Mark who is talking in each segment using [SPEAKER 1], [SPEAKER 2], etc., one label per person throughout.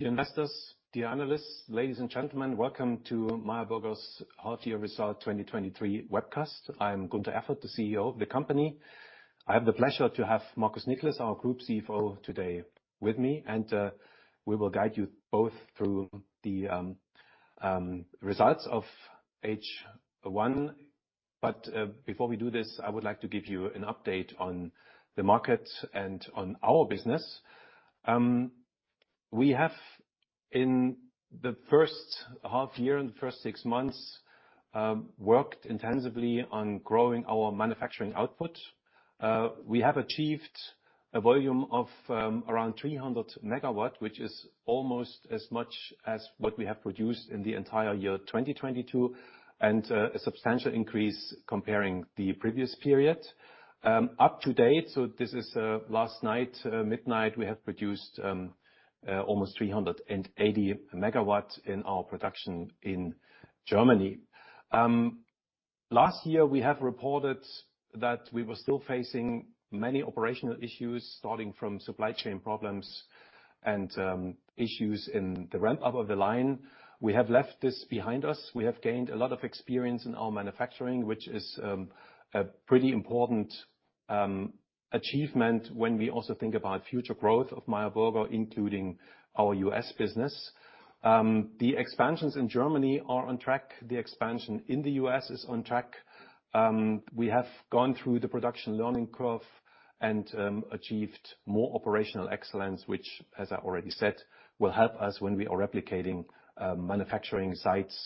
[SPEAKER 1] Investors, dear analysts, ladies and gentlemen, welcome to Meyer Burger's half year result 2023 webcast. I'm Gunter Erfurt, the CEO of the company. I have the pleasure to have Markus Nikles, our Group CFO, today with me, and we will guide you both through the results of H1. Before we do this, I would like to give you an update on the market and on our business. We have, in the first half year, in the first six months, worked intensively on growing our manufacturing output. We have achieved a volume of around 300MW, which is almost as much as what we have produced in the entire year, 2022, and a substantial increase comparing the previous period. Up to date, so this is last night, midnight, we have produced almost 380MW in our production in Germany. Last year, we have reported that we were still facing many operational issues, starting from supply chain problems and issues in the ramp-up of the line. We have left this behind us. We have gained a lot of experience in our manufacturing, which is a pretty important achievement when we also think about future growth of Meyer Burger, including our U.S. business. The expansions in Germany are on track. The expansion in the U.S. is on track. We have gone through the production learning curve and achieved more operational excellence, which, as I already said, will help us when we are replicating manufacturing sites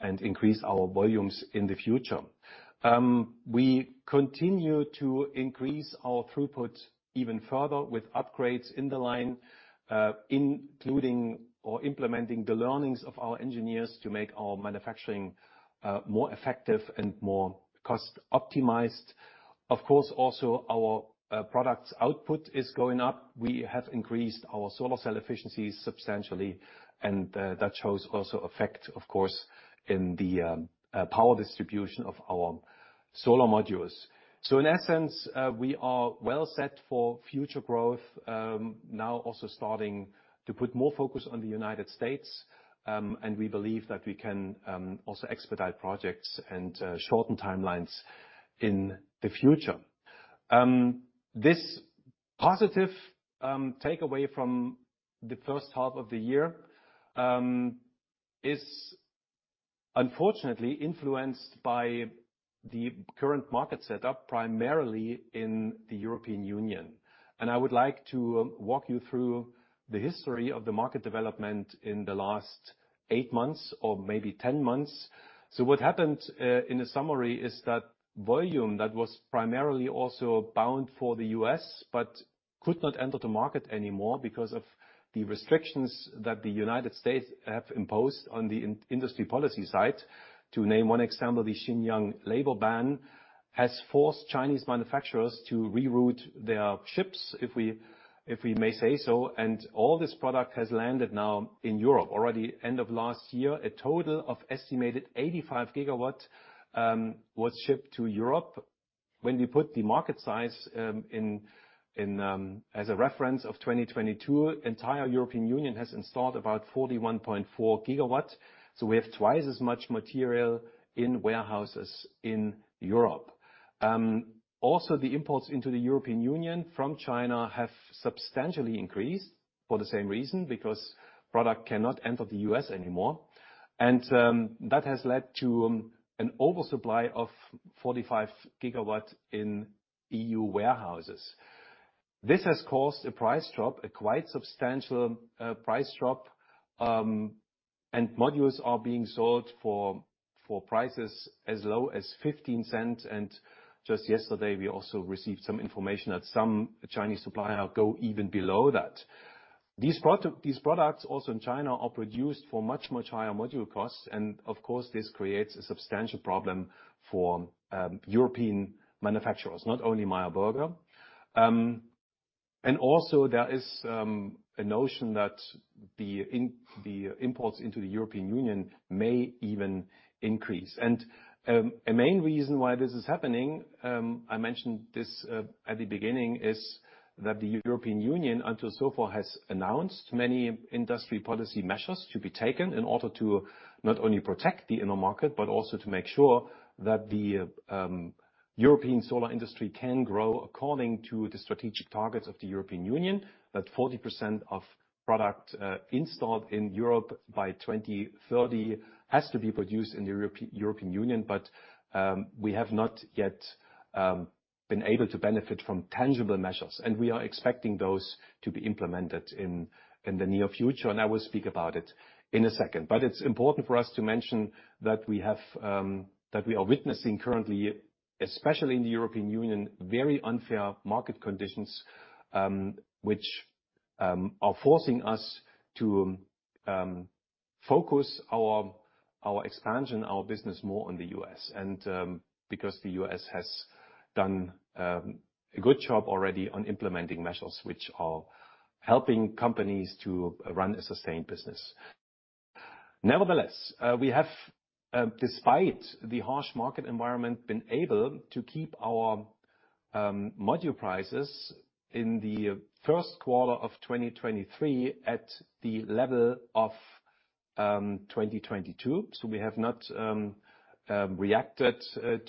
[SPEAKER 1] and increase our volumes in the future. We continue to increase our throughput even further with upgrades in the line, including or implementing the learnings of our engineers to make our manufacturing more effective and more cost-optimized. Of course, also, our products output is going up. We have increased our solar cell efficiency substantially, that shows also effect, of course, in the power distribution of our solar modules. In essence, we are well set for future growth, now also starting to put more focus on the United States, we believe that we can also expedite projects and shorten timelines in the future. This positive takeaway from the first half of the year is unfortunately influenced by the current market setup, primarily in the European Union. I would like to walk you through the history of the market development in the last 8 months or maybe 10 months. What happened, in a summary is that volume that was primarily also bound for the US, but could not enter the market anymore because of the restrictions that the United States have imposed on the in- industry policy side. To name one example, the Xinjiang labor ban has forced Chinese manufacturers to reroute their ships, if we, if we may say so, and all this product has landed now in Europe. Already end of last year, a total of estimated 85GW was shipped to Europe. When we put the market size, in, in, as a reference of 2022, entire European Union has installed about 41.4 gigawatt, so we have twice as much material in warehouses in Europe. Also, the imports into the European Union from China have substantially increased for the same reason, because product cannot enter the US anymore, and that has led to an oversupply of 45GW in EU warehouses. This has caused a price drop, a quite substantial price drop, and modules are being sold for prices as low as 0.15, and just yesterday, we also received some information that some Chinese supplier go even below that. These products, also in China, are produced for much, much higher module costs, and of course, this creates a substantial problem for European manufacturers, not only Meyer Burger. Also there is a notion that the imports into the European Union may even increase. A main reason why this is happening, I mentioned this at the beginning, is that the European Union, until so far, has announced many industry policy measures to be taken in order to not only protect the inner market, but also to make sure that the European solar industry can grow according to the strategic targets of the European Union, that 40% of product installed in Europe by 2030, has to be produced in the European Union. We have not yet been able to benefit from tangible measures, and we are expecting those to be implemented in the near future, and I will speak about it in a second. It's important for us to mention that we have that we are witnessing currently, especially in the European Union, very unfair market conditions, which are forcing us to focus our, our expansion, our business, more on the US. Because the US has done a good job already on implementing measures which are helping companies to run a sustained business. Nevertheless, we have, despite the harsh market environment, been able to keep our module prices in the Q1 of 2023 at the level of 2022. We have not reacted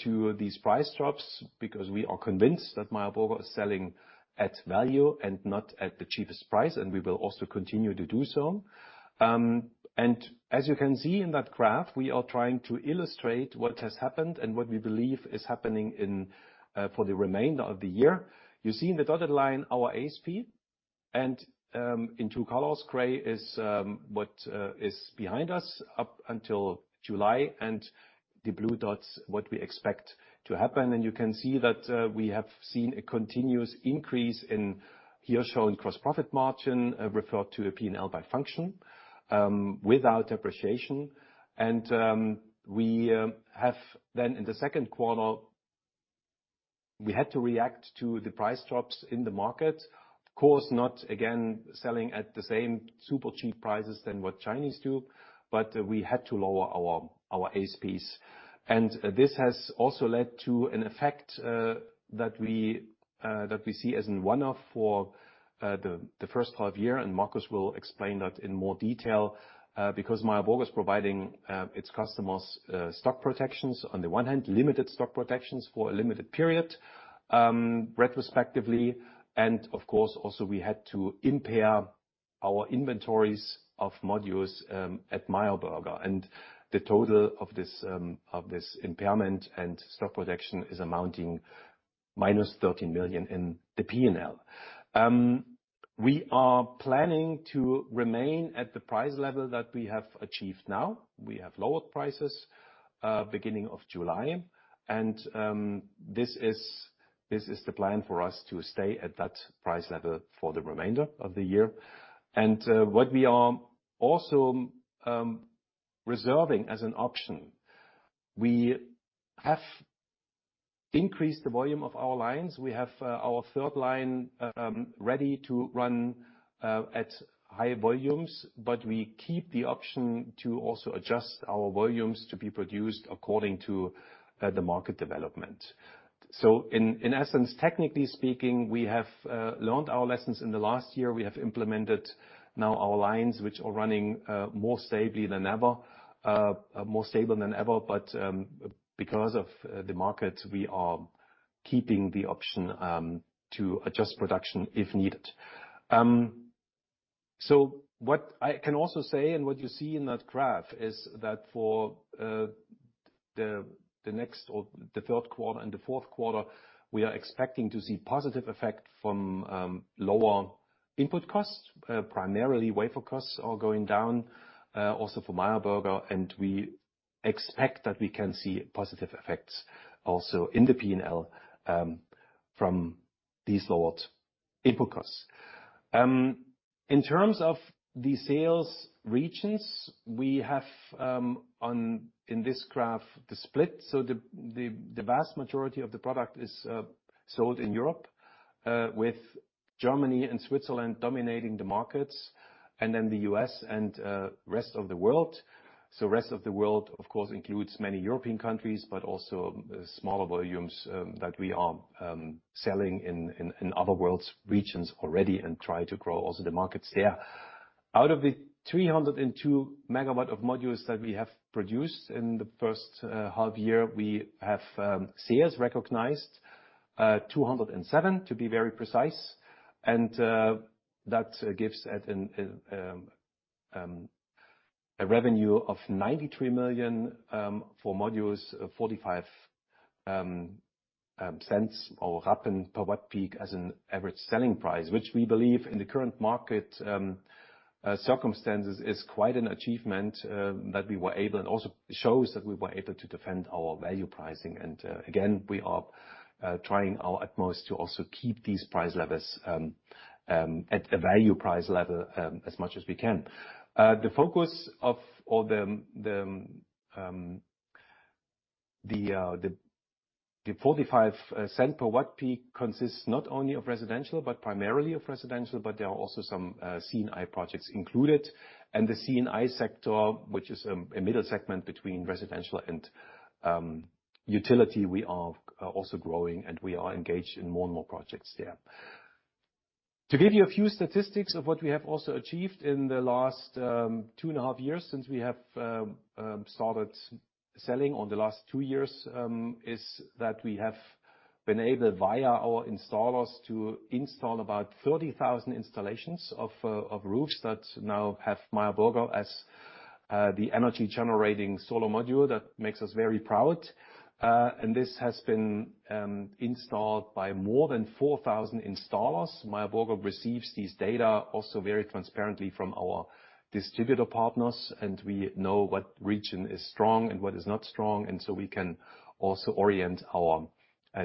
[SPEAKER 1] to these price drops, because we are convinced that Meyer Burger is selling at value and not at the cheapest price, and we will also continue to do so. As you can see in that graph, we are trying to illustrate what has happened and what we believe is happening for the remainder of the year. You see in the dotted line, our ASP, in two colors, gray is what is behind us up until July, and the blue dots, what we expect to happen. You can see that we have seen a continuous increase in here shown gross profit margin, referred to a P&L by function, without depreciation. We have then in the Q2, we had to react to the price drops in the market. Of course, not again, selling at the same super cheap prices than what Chinese do, but we had to lower our, our ASPs. This has also led to an effect that we that we see as in one-off for the first half year, and Markus will explain that in more detail. Because Meyer Burger is providing its customers stock protections, on the one hand, limited stock protections for a limited period, retrospectively, and of course, also, we had to impair our inventories of modules at Meyer Burger. The total of this of this impairment and stock protection is -13 million in the P&L. We are planning to remain at the price level that we have achieved now. We have lowered prices beginning of July, and this is, this is the plan for us to stay at that price level for the remainder of the year. What we are also reserving as an option, we have increased the volume of our lines. We have our third line ready to run at high volumes, but we keep the option to also adjust our volumes to be produced according to the market development. In, in essence, technically speaking, we have learned our lessons in the last year. We have implemented now our lines, which are running more stably than ever, more stable than ever, but because of the market, we are keeping the option to adjust production if needed. What I can also say, and what you see in that graph, is that for the, the next or the Q3 and the Q4, we are expecting to see positive effect from lower input costs, primarily wafer costs are going down, also for Meyer Burger, and we expect that we can see positive effects also in the P&L from these lowered input costs. In terms of the sales regions, we have on, in this graph, the split. The, the, the vast majority of the product is sold in Europe, with Germany and Switzerland dominating the markets, and then the US and rest of the world. Rest of the world, of course, includes many European countries, but also smaller volumes that we are selling in other world regions already and try to grow also the markets there. Out of the 302MW of modules that we have produced in the first half-year, we have sales recognized 207, to be very precise, and that gives a revenue of 93 million for modules, 0.45 per watt-peak as an average selling price, which we believe in the current market circumstances is quite an achievement that we were able and also shows that we were able to defend our value pricing. Again, we are trying our utmost to also keep these price levels at a value price level as much as we can. The focus of all the, the, the, the $0.45 per watt peak consists not only of residential, but primarily of residential, but there are also some C&I projects included. The C&I sector, which is a middle segment between residential and utility, we are also growing, and we are engaged in more and more projects there. To give you a few statistics of what we have also achieved in the last two and a half years, since we have started selling on the last two years, is that we have been able, via our installers, to install about 30,000 installations of roofs that now have Meyer Burger as the energy-generating solar module. That makes us very proud, this has been installed by more than 4,000 installers. Meyer Burger receives these data also very transparently from our distributor partners, we know what region is strong and what is not strong, we can also orient our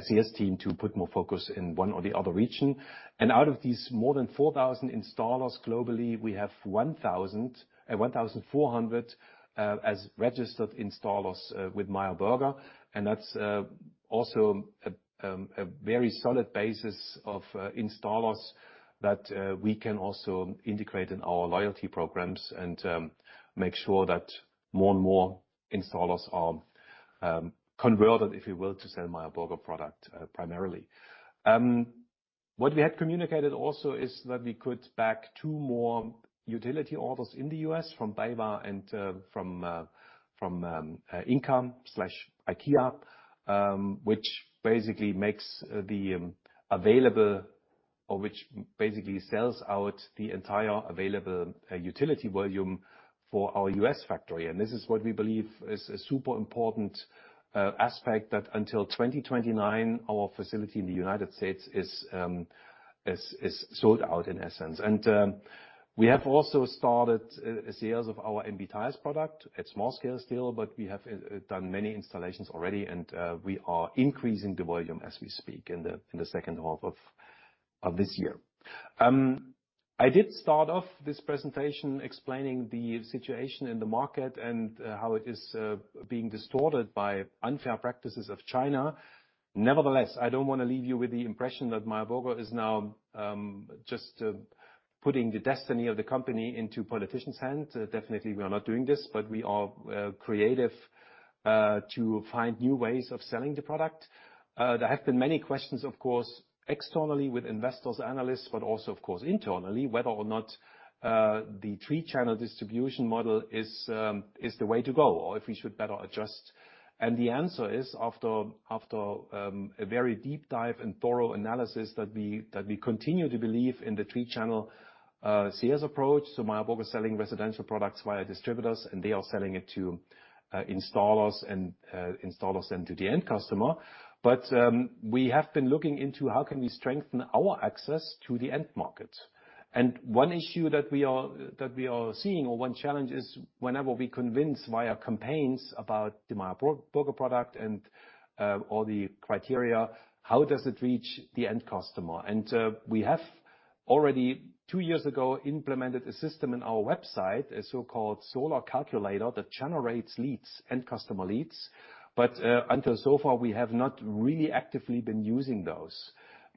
[SPEAKER 1] sales team to put more focus in one or the other region. Out of these more than 4,000 installers globally, we have 1,400 as registered installers with Meyer Burger. That's also a very solid basis of installers that we can also integrate in our loyalty programs, and make sure that more and more installers are converted, if you will, to sell Meyer Burger product primarily. What we had communicated also is that we could back two more utility orders in the US from BayWa and from Ingka/IKEA, which basically makes the available or which basically sells out the entire available utility volume for our US factory. This is what we believe is a super important aspect, that until 2029, our facility in the United States is, is, is sold out, in essence. We have also started sales of our MB Tiles product. It's small scale still, but we have done many installations already, and we are increasing the volume as we speak in the, in the second half of this year. I did start off this presentation explaining the situation in the market and how it is being distorted by unfair practices of China. Nevertheless, I don't want to leave you with the impression that Meyer Burger is now just putting the destiny of the company into politicians' hands. Definitely, we are not doing this, but we are creative to find new ways of selling the product. There have been many questions, of course, externally, with investors, analysts, but also, of course, internally, whether or not the three-channel distribution model is the way to go, or if we should better adjust. The answer is, after, after a very deep dive and thorough analysis, that we, that we continue to believe in the three-channel sales approach. Meyer Burger is selling residential products via distributors, and they are selling it to installers and installers then to the end customer. We have been looking into how can we strengthen our access to the end market. One issue that we are, that we are seeing, or one challenge, is whenever we convince via campaigns about the Meyer Burger product and all the criteria, how does it reach the end customer? We have already, 2 years ago, implemented a system in our website, a so-called solar calculator, that generates leads, end customer leads, but until so far, we have not really actively been using those,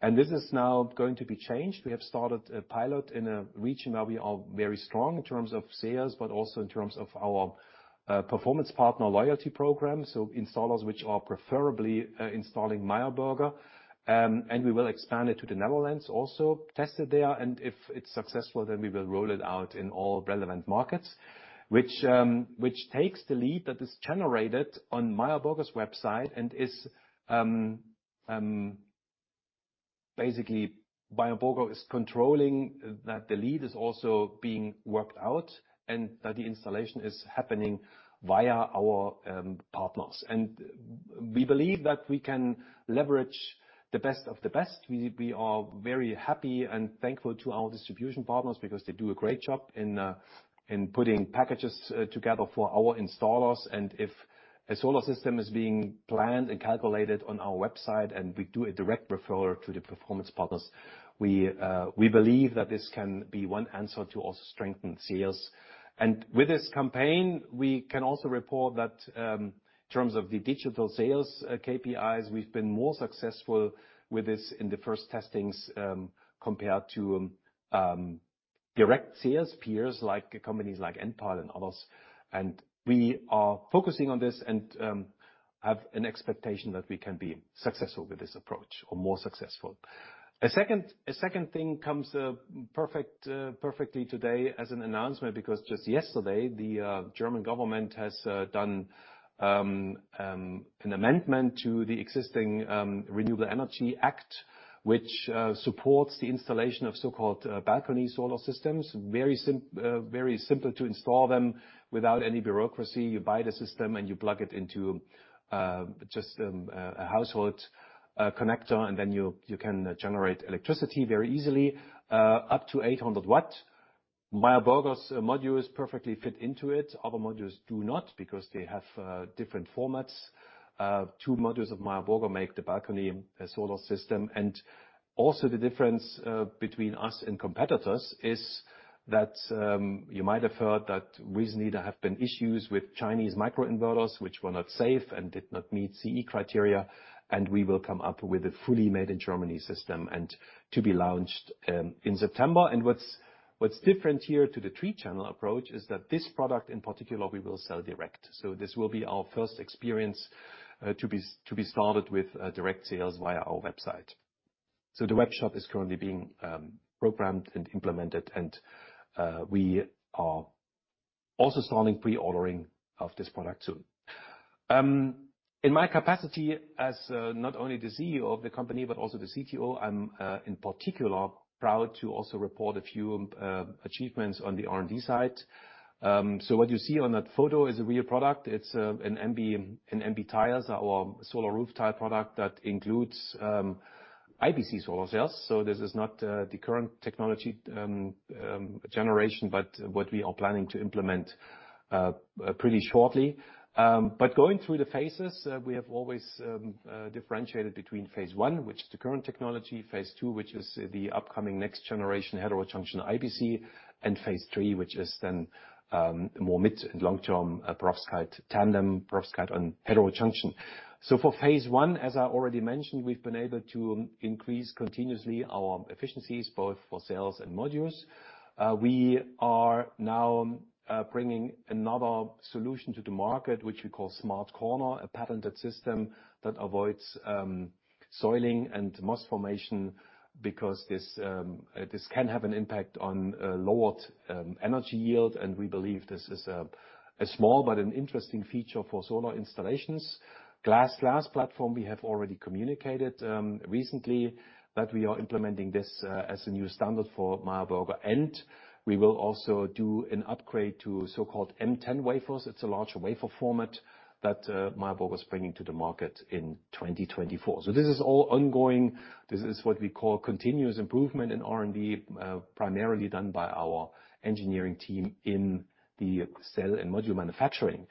[SPEAKER 1] and this is now going to be changed. We have started a pilot in a region where we are very strong in terms of sales, but also in terms of our performance partner loyalty program, so installers which are preferably installing Meyer Burger. And we will expand it to the Netherlands, also, test it there, and if it's successful, then we will roll it out in all relevant markets, which takes the lead that is generated on Meyer Burger's website and is. Basically, Meyer Burger is controlling that the lead is also being worked out and that the installation is happening via our partners. We believe that we can leverage the best of the best. We, we are very happy and thankful to our distribution partners because they do a great job in putting packages together for our installers. If a solar system is being planned and calculated on our website, and we do a direct referral to the Performance Partners, we believe that this can be one answer to also strengthen sales. With this campaign, we can also report that in terms of the digital sales KPIs, we've been more successful with this in the first testings compared to direct sales peers, like companies like Enpal and others. We are focusing on this and have an expectation that we can be successful with this approach or more successful. A second, a second thing comes perfect perfectly today as an announcement, because just yesterday, the German government has done an amendment to the existing Renewable Energy Act, which supports the installation of so-called balcony solar systems. Very simple to install them without any bureaucracy. You buy the system, and you plug it into just a household connector, and then you can generate electricity very easily up to 800W. Meyer Burger's modules perfectly fit into it. Other modules do not, because they have different formats. Two modules of Meyer Burger make the balcony a solar system. Also, the difference between us and competitors is that you might have heard that recently there have been issues with Chinese microinverters, which were not safe and did not meet CE criteria, and we will come up with a fully made in Germany system and to be launched in September. What's, what's different here to the three-channel approach is that this product, in particular, we will sell direct. This will be our first experience to be started with direct sales via our website. The webshop is currently being programmed and implemented, and we are also starting pre-ordering of this product soon. In my capacity as not only the CEO of the company, but also the CTO, I'm in particular proud to also report a few achievements on the R&D side. What you see on that photo is a real product. It's an MB Tiles, our solar roof tile product that includes IBC solar cells, this is not the current technology generation, but what we are planning to implement pretty shortly. Going through the phases, we have always differentiated between phase I, which is the current technology, phase II, which is the upcoming next generation heterojunction IBC, and phase III, which is more mid- and long-term perovskite tandem, perovskite on heterojunction. For phase I, as I already mentioned, we've been able to increase continuously our efficiencies, both for sales and modules. We are now bringing another solution to the market, which we call SmartCorner, a patented system that avoids soiling and moss formation, because this can have an impact on lowered energy yield, and we believe this is a small but an interesting feature for solar installations. Glass-glass platform, we have already communicated recently that we are implementing this as a new standard for Meyer Burger. We will also do an upgrade to so-called M10 wafers. It's a larger wafer format that Meyer Burger is bringing to the market in 2024. This is all ongoing. This is what we call continuous improvement in R&D, primarily done by our engineering team in the cell and module manufacturing.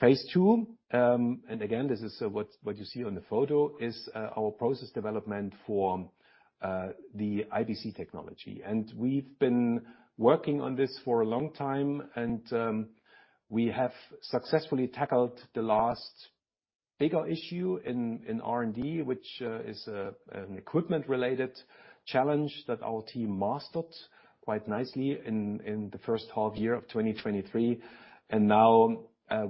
[SPEAKER 1] phase II, again, this is what, what you see on the photo, is our process development for the IBC technology. We've been working on this for a long time, and we have successfully tackled the last bigger issue in R&D, which is an equipment-related challenge that our team mastered quite nicely in the first half-year of 2023. Now,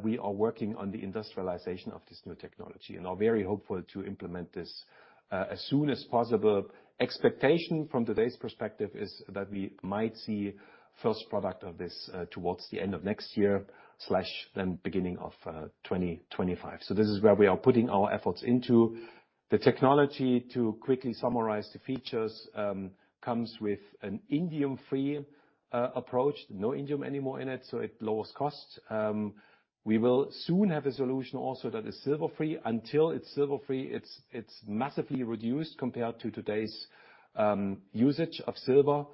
[SPEAKER 1] we are working on the industrialization of this new technology and are very hopeful to implement this as soon as possible. Expectation from today's perspective is that we might see first product of this towards the end of next year/then beginning of 2025. This is where we are putting our efforts into. The technology, to quickly summarize the features, comes with an indium-free approach. No indium anymore in it, it lowers costs. We will soon have a solution also that is silver-free. Until it's silver-free, it's massively reduced compared to today's usage of silver.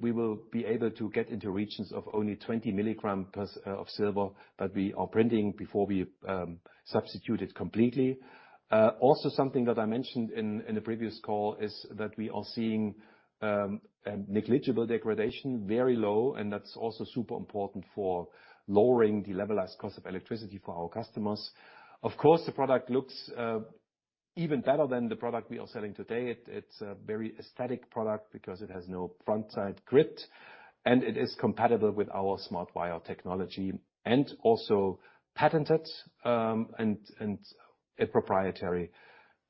[SPEAKER 1] We will be able to get into regions of only 20mg per of silver, we are printing before we substitute it completely. Also, something that I mentioned in a previous call is that we are seeing a negligible degradation, very low, that's also super important for lowering the levelized cost of electricity for our customers. Of course, the product looks even better than the product we are selling today. It's a very aesthetic product because it has no front-side grid, it is compatible with our SmartWire technology, and also patented and a proprietary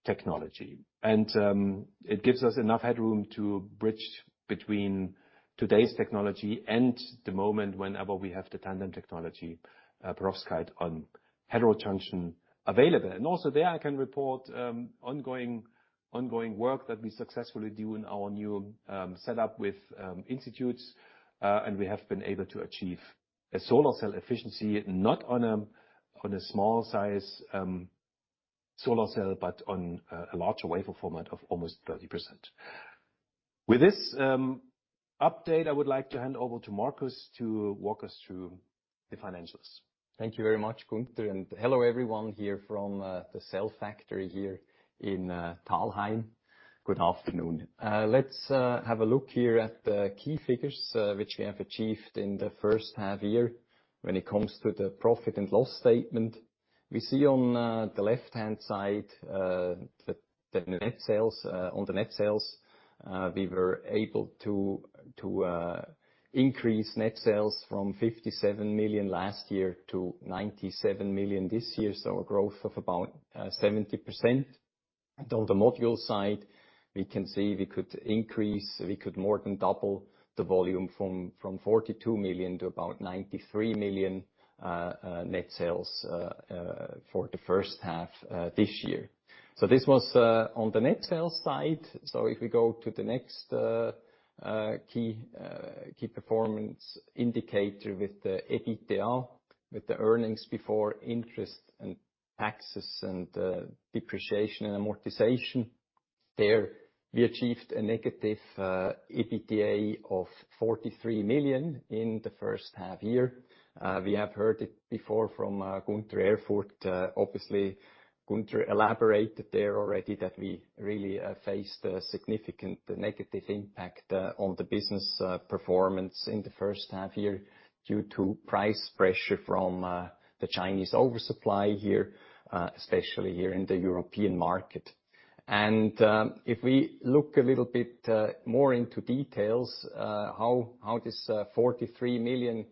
[SPEAKER 1] technology. It gives us enough headroom to bridge between today's technology and the moment whenever we have the tandem technology, perovskite, on heterojunction available. Also, there I can report ongoing, ongoing work that we successfully do in our new setup with institutes, and we have been able to achieve a solar cell efficiency, not on a, on a small size solar cell, but on a larger wafer format of almost 30%. With this update, I would like to hand over to Markus to walk us through the financials.
[SPEAKER 2] Thank you very much, Gunter, and hello, everyone, here from the cell factory here in Thalheim. Good afternoon. Let's have a look here at the key figures which we have achieved in the first half year. When it comes to the profit and loss statement, we see on the left-hand side the net sales. On the net sales, we were able to to increase net sales from 57 million last year to 97 million this year, so a growth of about 70%. On the module side, we can see we could increase, we could more than double the volume from from 42 million to about 93 million net sales for the first half this year. This was on the net sales side. If we go to the next key performance indicator with the EBITDA, with the earnings before interest and taxes and depreciation and amortization, there we achieved a negative EBITDA of 43 million in H1. We have heard it before from Gunter Erfurt. Obviously, Gunter elaborated there already that we really faced a significant negative impact on the business performance in H1 due to price pressure from the Chinese oversupply here, especially here in the European market. If we look a little bit more into details, how this 43 million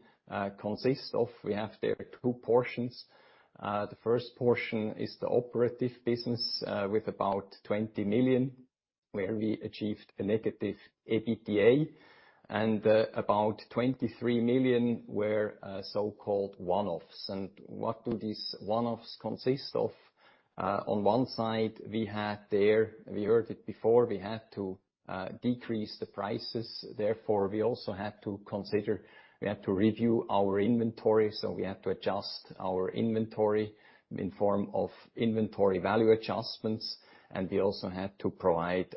[SPEAKER 2] consists of, we have there two portions. The first portion is the operative business with about 20 million. where we achieved a negative EBITDA. About 23 million were so-called one-offs. What do these one-offs consist of? On one side, we had there, we heard it before, we had to decrease the prices, therefore, we also had to review our inventory, so we had to adjust our inventory in form of inventory value adjustments. We also had to provide,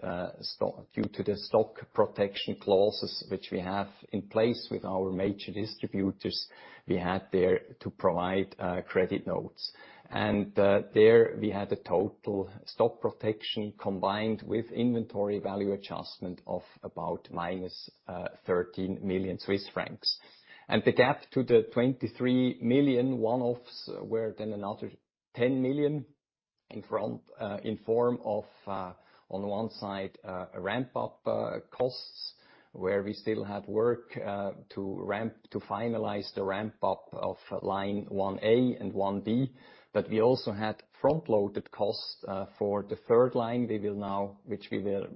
[SPEAKER 2] due to the stock protection clauses, which we have in place with our major distributors, we had there to provide credit notes. There we had a total stock protection combined with inventory value adjustment of about -13 million Swiss francs. The gap to the 23 million one-offs were another 10 million in front, in form of, on one side, a ramp-up costs, where we still had work to finalize the ramp-up of line 1-A and 1-B. We also had front-loaded costs for the third line. They will now,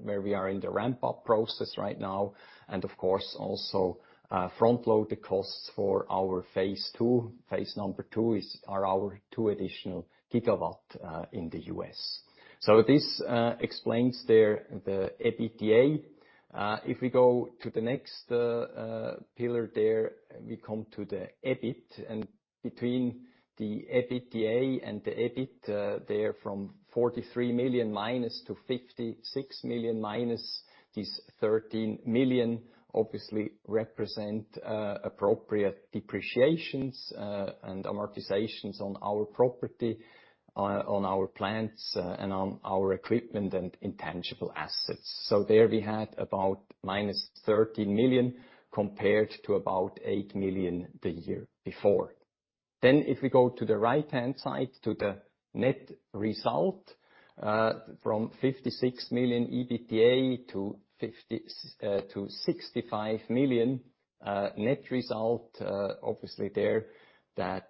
[SPEAKER 2] where we are in the ramp-up process right now, and of course, also, front-loaded costs for our phase II. Phase number two are our two additional GW in the US. This explains there, the EBITDA. If we go to the next pillar there, we come to the EBIT. Between the EBITDA and the EBIT, there from -43 million to -56 million, this 13 million obviously represent appropriate depreciations and amortizations on our property, on our plants, and on our equipment and intangible assets. There we had about -13 million, compared to about 8 million the year before. If we go to the right-hand side, to the net result, from 56 million EBITDA to 65 million net result, obviously there, that,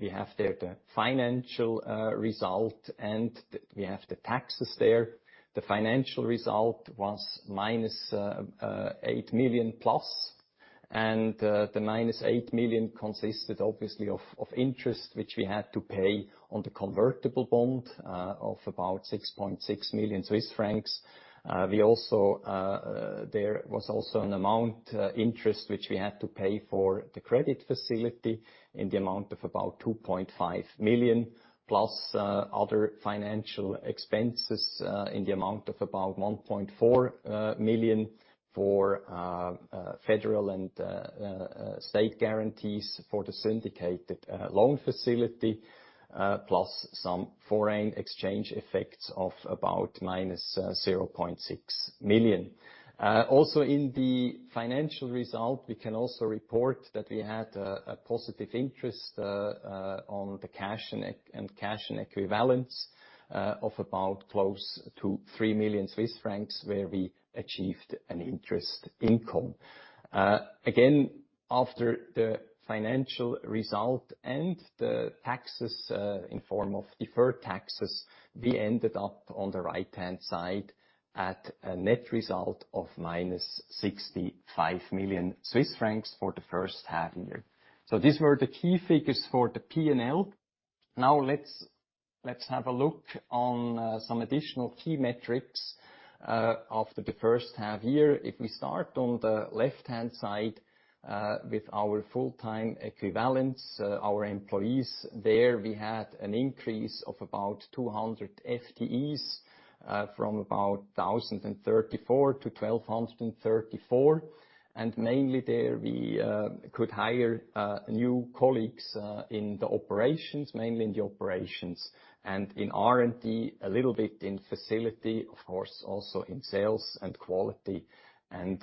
[SPEAKER 2] we have there the financial result, and we have the taxes there. The financial result was minus 8 million, and the minus 8 million consisted obviously of, of interest, which we had to pay on the convertible bond, of about 6.6 million Swiss francs. We also, there was also an amount, interest, which we had to pay for the credit facility in the amount of about 2.5 million, plus other financial expenses, in the amount of about 1.4 million for federal and state guarantees for the syndicated loan facility, plus some foreign exchange effects of about -0.6 million. Also in the financial result, we can also report that we had a positive interest on the cash and equivalents of about close to 3 million Swiss francs, where we achieved an interest income. Again, after the financial result and the taxes, in form of deferred taxes, we ended up on the right-hand side at a net result of -65 million Swiss francs for the first half year. These were the key figures for the P&L. Now let's, let's have a look on some additional key metrics after the first half year. If we start on the left-hand side, with our full-time equivalents, our employees there, we had an increase of about 200 FTEs, from about 1,034 to 1,234. Mainly there, we could hire new colleagues in the operations, mainly in the operations, and in R&D, a little bit in facility, of course, also in sales and quality, and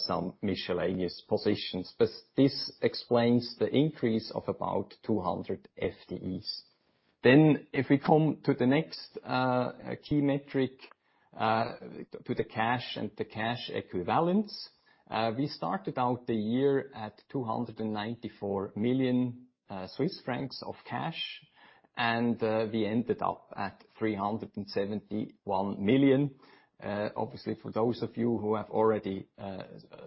[SPEAKER 2] some miscellaneous positions. This explains the increase of about 200 FTEs. If we come to the next key metric, to the cash and the cash equivalents, we started out the year at 294 million Swiss francs of cash, and we ended up at 371 million. Obviously, for those of you who have already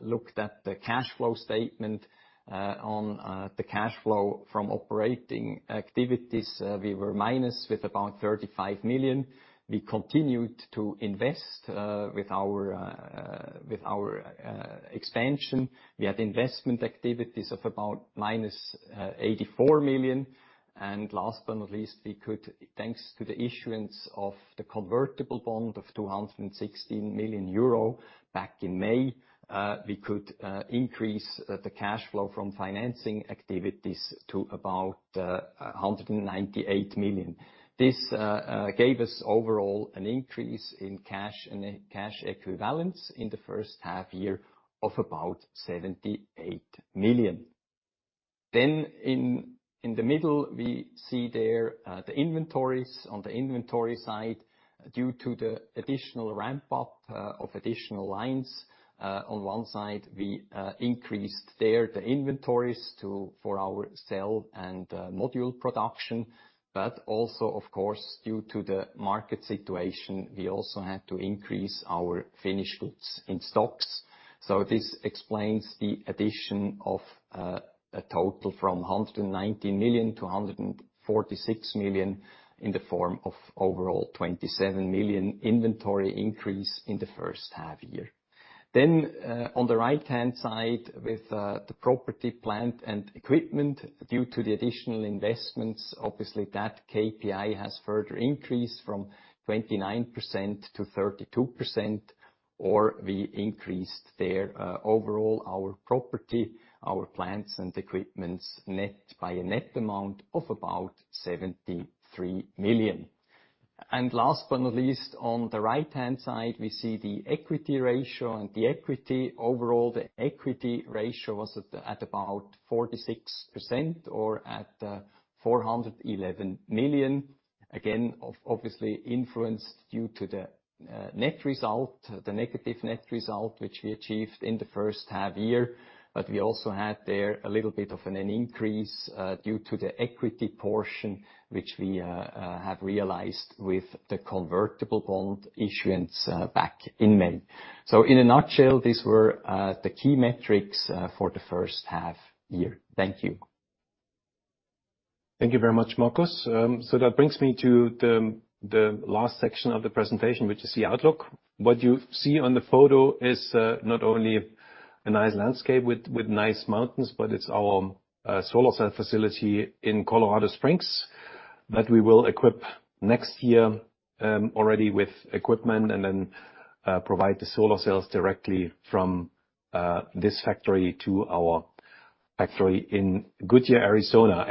[SPEAKER 2] looked at the cash flow statement, on the cash flow from operating activities, we were minus with about 35 million. We continued to invest with our expansion. We had investment activities of about minus 84 million. Last but not least, we could, thanks to the issuance of the convertible bond of 216 million euro back in May, we could increase the cash flow from financing activities to about 198 million. This gave us overall an increase in cash and cash equivalents in the first half year of about 78 million. In the middle, we see there the inventories. On the inventory side, due to the additional ramp up of additional lines, on one side, we increased there the inventories for our cell and module production. Also, of course, due to the market situation, we also had to increase our finished goods in stocks. This explains the addition of a total from 190 million to 146 million, in the form of overall 27 million inventory increase in the first half year. On the right-hand side, with the property, plant, and equipment, due to the additional investments, obviously, that KPI has further increased from 29% to 32%, or we increased there, overall, our property, our plants and equipment, net, by a net amount of about 73 million. Last but not least, on the right-hand side, we see the equity ratio and the equity. Overall, the equity ratio was at about 46% or at 411 million. Again, obviously influenced due to the net result, the negative net result, which we achieved in the first half-year. We also had there a little bit of an increase due to the equity portion, which we have realized with the convertible bond issuance back in May. In a nutshell, these were the key metrics for the first half year. Thank you.
[SPEAKER 1] Thank you very much, Markus. That brings me to the, the last section of the presentation, which is the outlook. What you see on the photo is not only a nice landscape with, with nice mountains, but it's our solar cell facility in Colorado Springs, that we will equip next year already with equipment, then provide the solar cells directly from this factory to our factory in Goodyear, Arizona.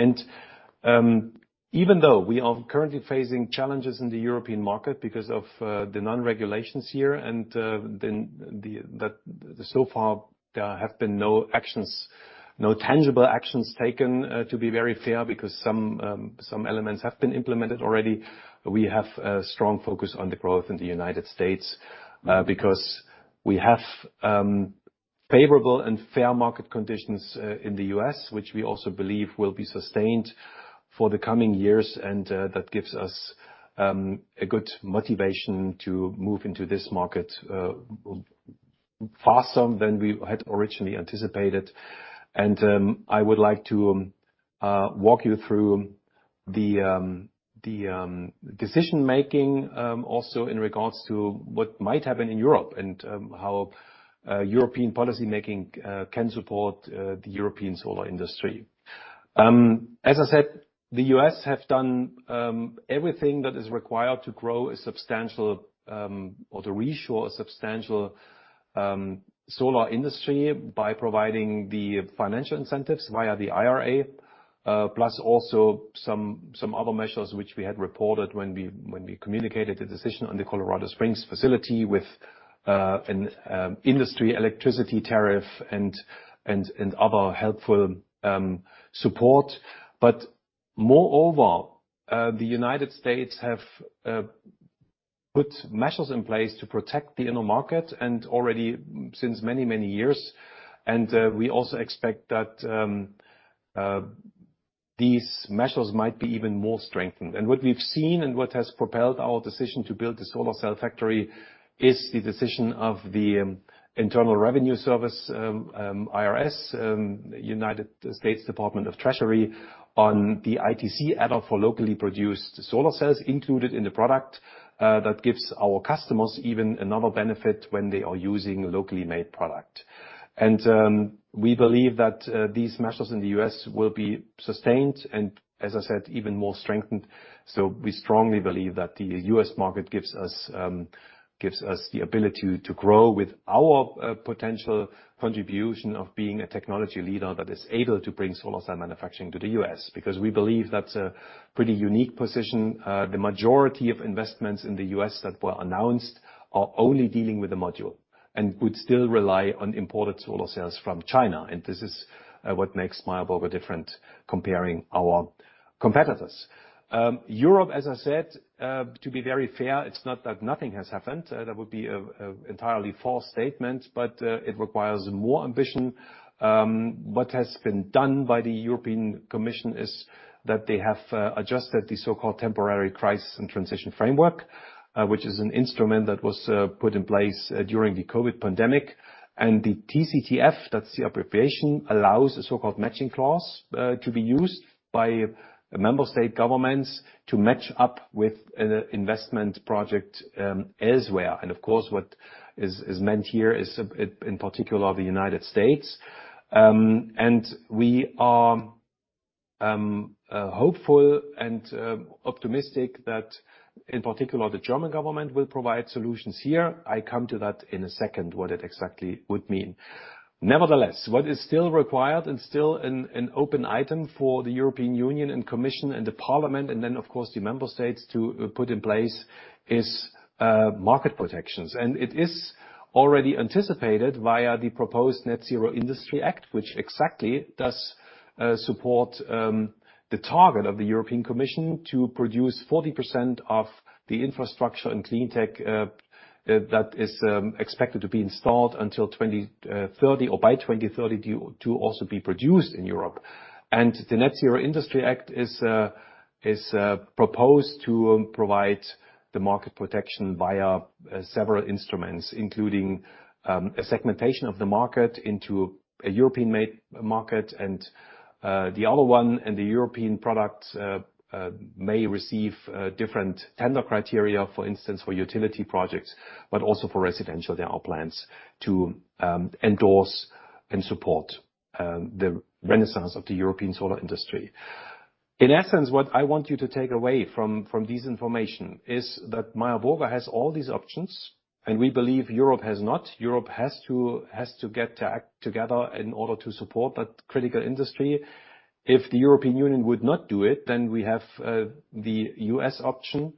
[SPEAKER 1] Even though we are currently facing challenges in the European market because of the non-regulations here, that so far, there have been no actions, no tangible actions taken to be very fair, because some elements have been implemented already. We have a strong focus on the growth in the United States, because we have favorable and fair market conditions in the US, which we also believe will be sustained for the coming years, and that gives us a good motivation to move into this market faster than we had originally anticipated. I would like to walk you through the the decision-making also in regards to what might happen in Europe, and how European policymaking can support the European solar industry. As I said, the U.S. have done everything that is required to grow a substantial, or to reshore a substantial, solar industry by providing the financial incentives via the IRA, plus also some, some other measures which we had reported when we, when we communicated the decision on the Colorado Springs facility with an industry electricity tariff and and and other helpful support. Moreover, the United States have put measures in place to protect the inner market, and already since many, many years. We also expect that these measures might be even more strengthened. What we've seen and what has propelled our decision to build the solar cell factory is the decision of the Internal Revenue Service, IRS, United States Department of the Treasury on the ITC adder for locally produced solar cells included in the product that gives our customers even another benefit when they are using a locally made product. We believe that these measures in the U.S. will be sustained and, as I said, even more strengthened. We strongly believe that the U.S. market gives us gives us the ability to grow with our potential contribution of being a technology leader that is able to bring solar cell manufacturing to the U.S., because we believe that's a pretty unique position. The majority of investments in the U.S. that were announced are only dealing with the module, and would still rely on imported solar cells from China, and this is what makes Meyer Burger different comparing our competitors. Europe, as I said, to be very fair, it's not that nothing has happened. That would be a entirely false statement, but it requires more ambition. What has been done by the European Commission is that they have adjusted the so-called Temporary Crisis and Transition Framework, which is an instrument that was put in place during the COVID pandemic. The TCTF, that's the appropriation, allows a so-called matching aid to be used by member state governments to match up with an investment project elsewhere. Of course, what is, is meant here is, in, in particular, the United States. We are hopeful and optimistic that, in particular, the German government will provide solutions here. I come to that in a second, what it exactly would mean. Nevertheless, what is still required and still an, an open item for the European Union and Commission and the Parliament, and then, of course, the member states to put in place, is market protections. It is already anticipated via the proposed Net-Zero Industry Act, which exactly does support the target of the European Commission to produce 40% of the infrastructure and clean tech that is expected to be installed until 2030 or by 2030, to also be produced in Europe. The Net-Zero Industry Act is proposed to provide the market protection via several instruments, including a segmentation of the market into a European-made market and the other one. The European products may receive different tender criteria, for instance, for utility projects, but also for residential. There are plans to endorse and support the renaissance of the European solar industry. In essence, what I want you to take away from, from this information is that Meyer Burger has all these options, and we believe Europe has not. Europe has to, has to get to act together in order to support that critical industry. If the European Union would not do it, then we have the US option.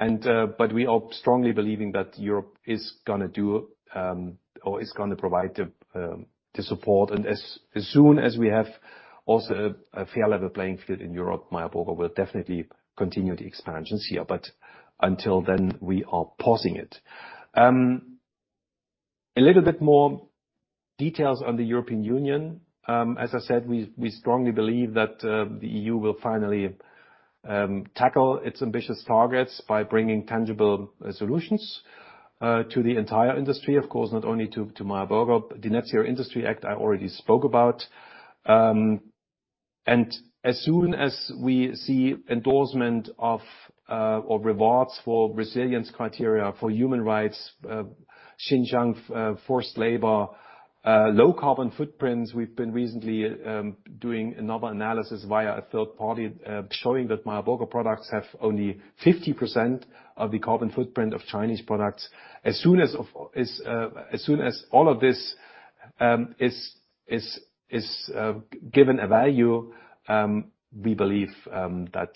[SPEAKER 1] We are strongly believing that Europe is gonna do or is gonna provide the support. As, as soon as we have also a fair level playing field in Europe, Meyer Burger will definitely continue the expansions here. Until then, we are pausing it. A little bit more details on the European Union. As I said, we, we strongly believe that the EU will finally tackle its ambitious targets by bringing tangible solutions to the entire industry, of course, not only to Meyer Burger. The Net Zero Industry Act, I already spoke about. As soon as we see endorsement of, or rewards for resilience criteria for human rights, Xinjiang, forced labor, low carbon footprints, we've been recently doing another analysis via a third party, showing that Meyer Burger products have only 50% of the carbon footprint of Chinese products. As soon as all of this is given a value, we believe that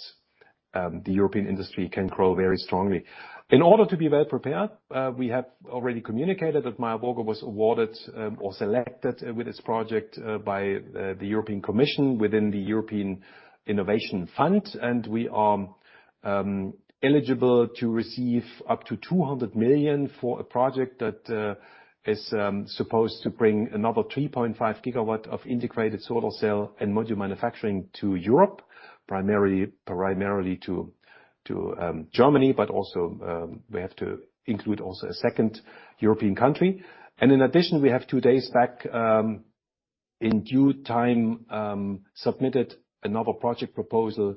[SPEAKER 1] the European industry can grow very strongly. In order to be well prepared, we have already communicated that Meyer Burger was awarded or selected with this project by the European Commission within the Innovation Fund, and we are eligible to receive up to 200 million for a project that is supposed to bring another 3.5 gigawatt of integrated solar cell and module manufacturing to Europe, primarily, primarily to, to Germany, but also we have to include also a second European country. In addition, we have 2 days back, in due time, submitted another project proposal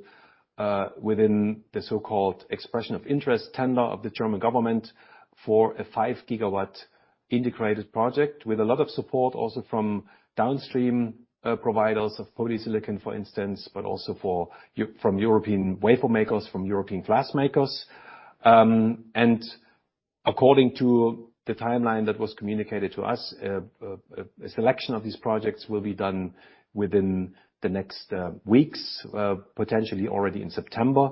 [SPEAKER 1] within the so-called expression of interest tender of the German government for a 5 gigawatt integrated project, with a lot of support also from downstream providers of polysilicon, for instance, but also from European wafer makers, from European glass makers. According to the timeline that was communicated to us, a selection of these projects will be done within the next weeks, potentially already in September.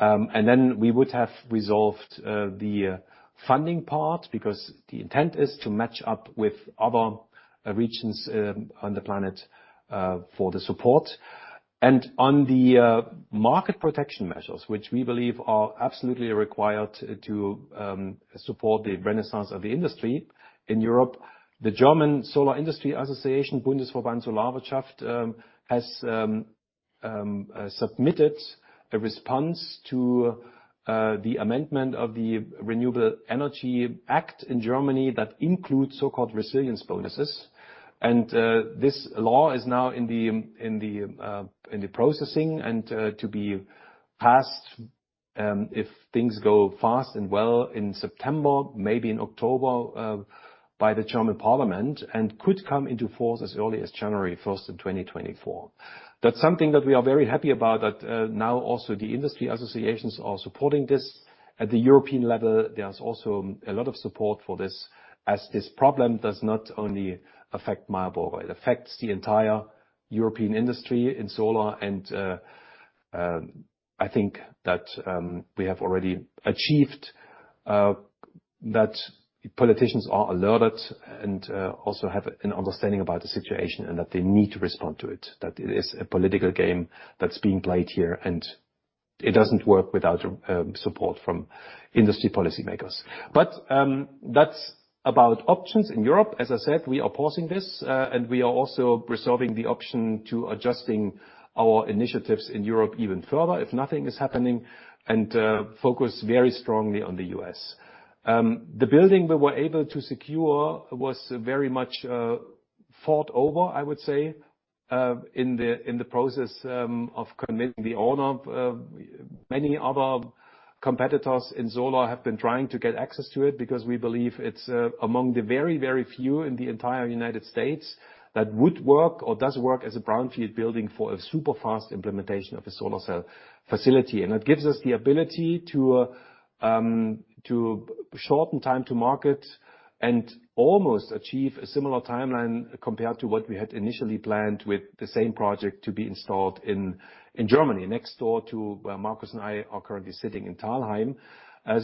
[SPEAKER 1] Then we would have resolved the funding part, because the intent is to match up with other regions on the planet for the support. On the market protection measures, which we believe are absolutely required to support the renaissance of the industry in Europe. The German Solar Association, Bundesverband Solarwirtschaft, has submitted a response to the amendment of the Renewable Energy Sources Act in Germany that includes so-called resilience bonuses. This law is now in the in the in the processing and to be passed, if things go fast and well, in September, maybe in October, by the German Parliament, and could come into force as early as January 1st in 2024. That's something that we are very happy about, that now also the industry associations are supporting this. At the European level, there's also a lot of support for this, as this problem does not only affect Meyer Burger, it affects the entire European industry in solar. I think that we have already achieved that politicians are alerted and also have an understanding about the situation and that they need to respond to it, that it is a political game that's being played here, and it doesn't work without support from industry policymakers. That's about options in Europe. As I said, we are pausing this, and we are also reserving the option to adjusting our initiatives in Europe even further if nothing is happening, and focus very strongly on the US. The building we were able to secure was very much thought over, I would say, in the, in the process of convincing the owner of many other competitors in solar have been trying to get access to it, because we believe it's among the very, very few in the entire United States that would work or does work as a brownfield building for a super fast implementation of a solar cell facility. It gives us the ability to shorten time to market and almost achieve a similar timeline compared to what we had initially planned with the same project to be installed in Germany, next door to where Markus and I are currently sitting in Thalheim.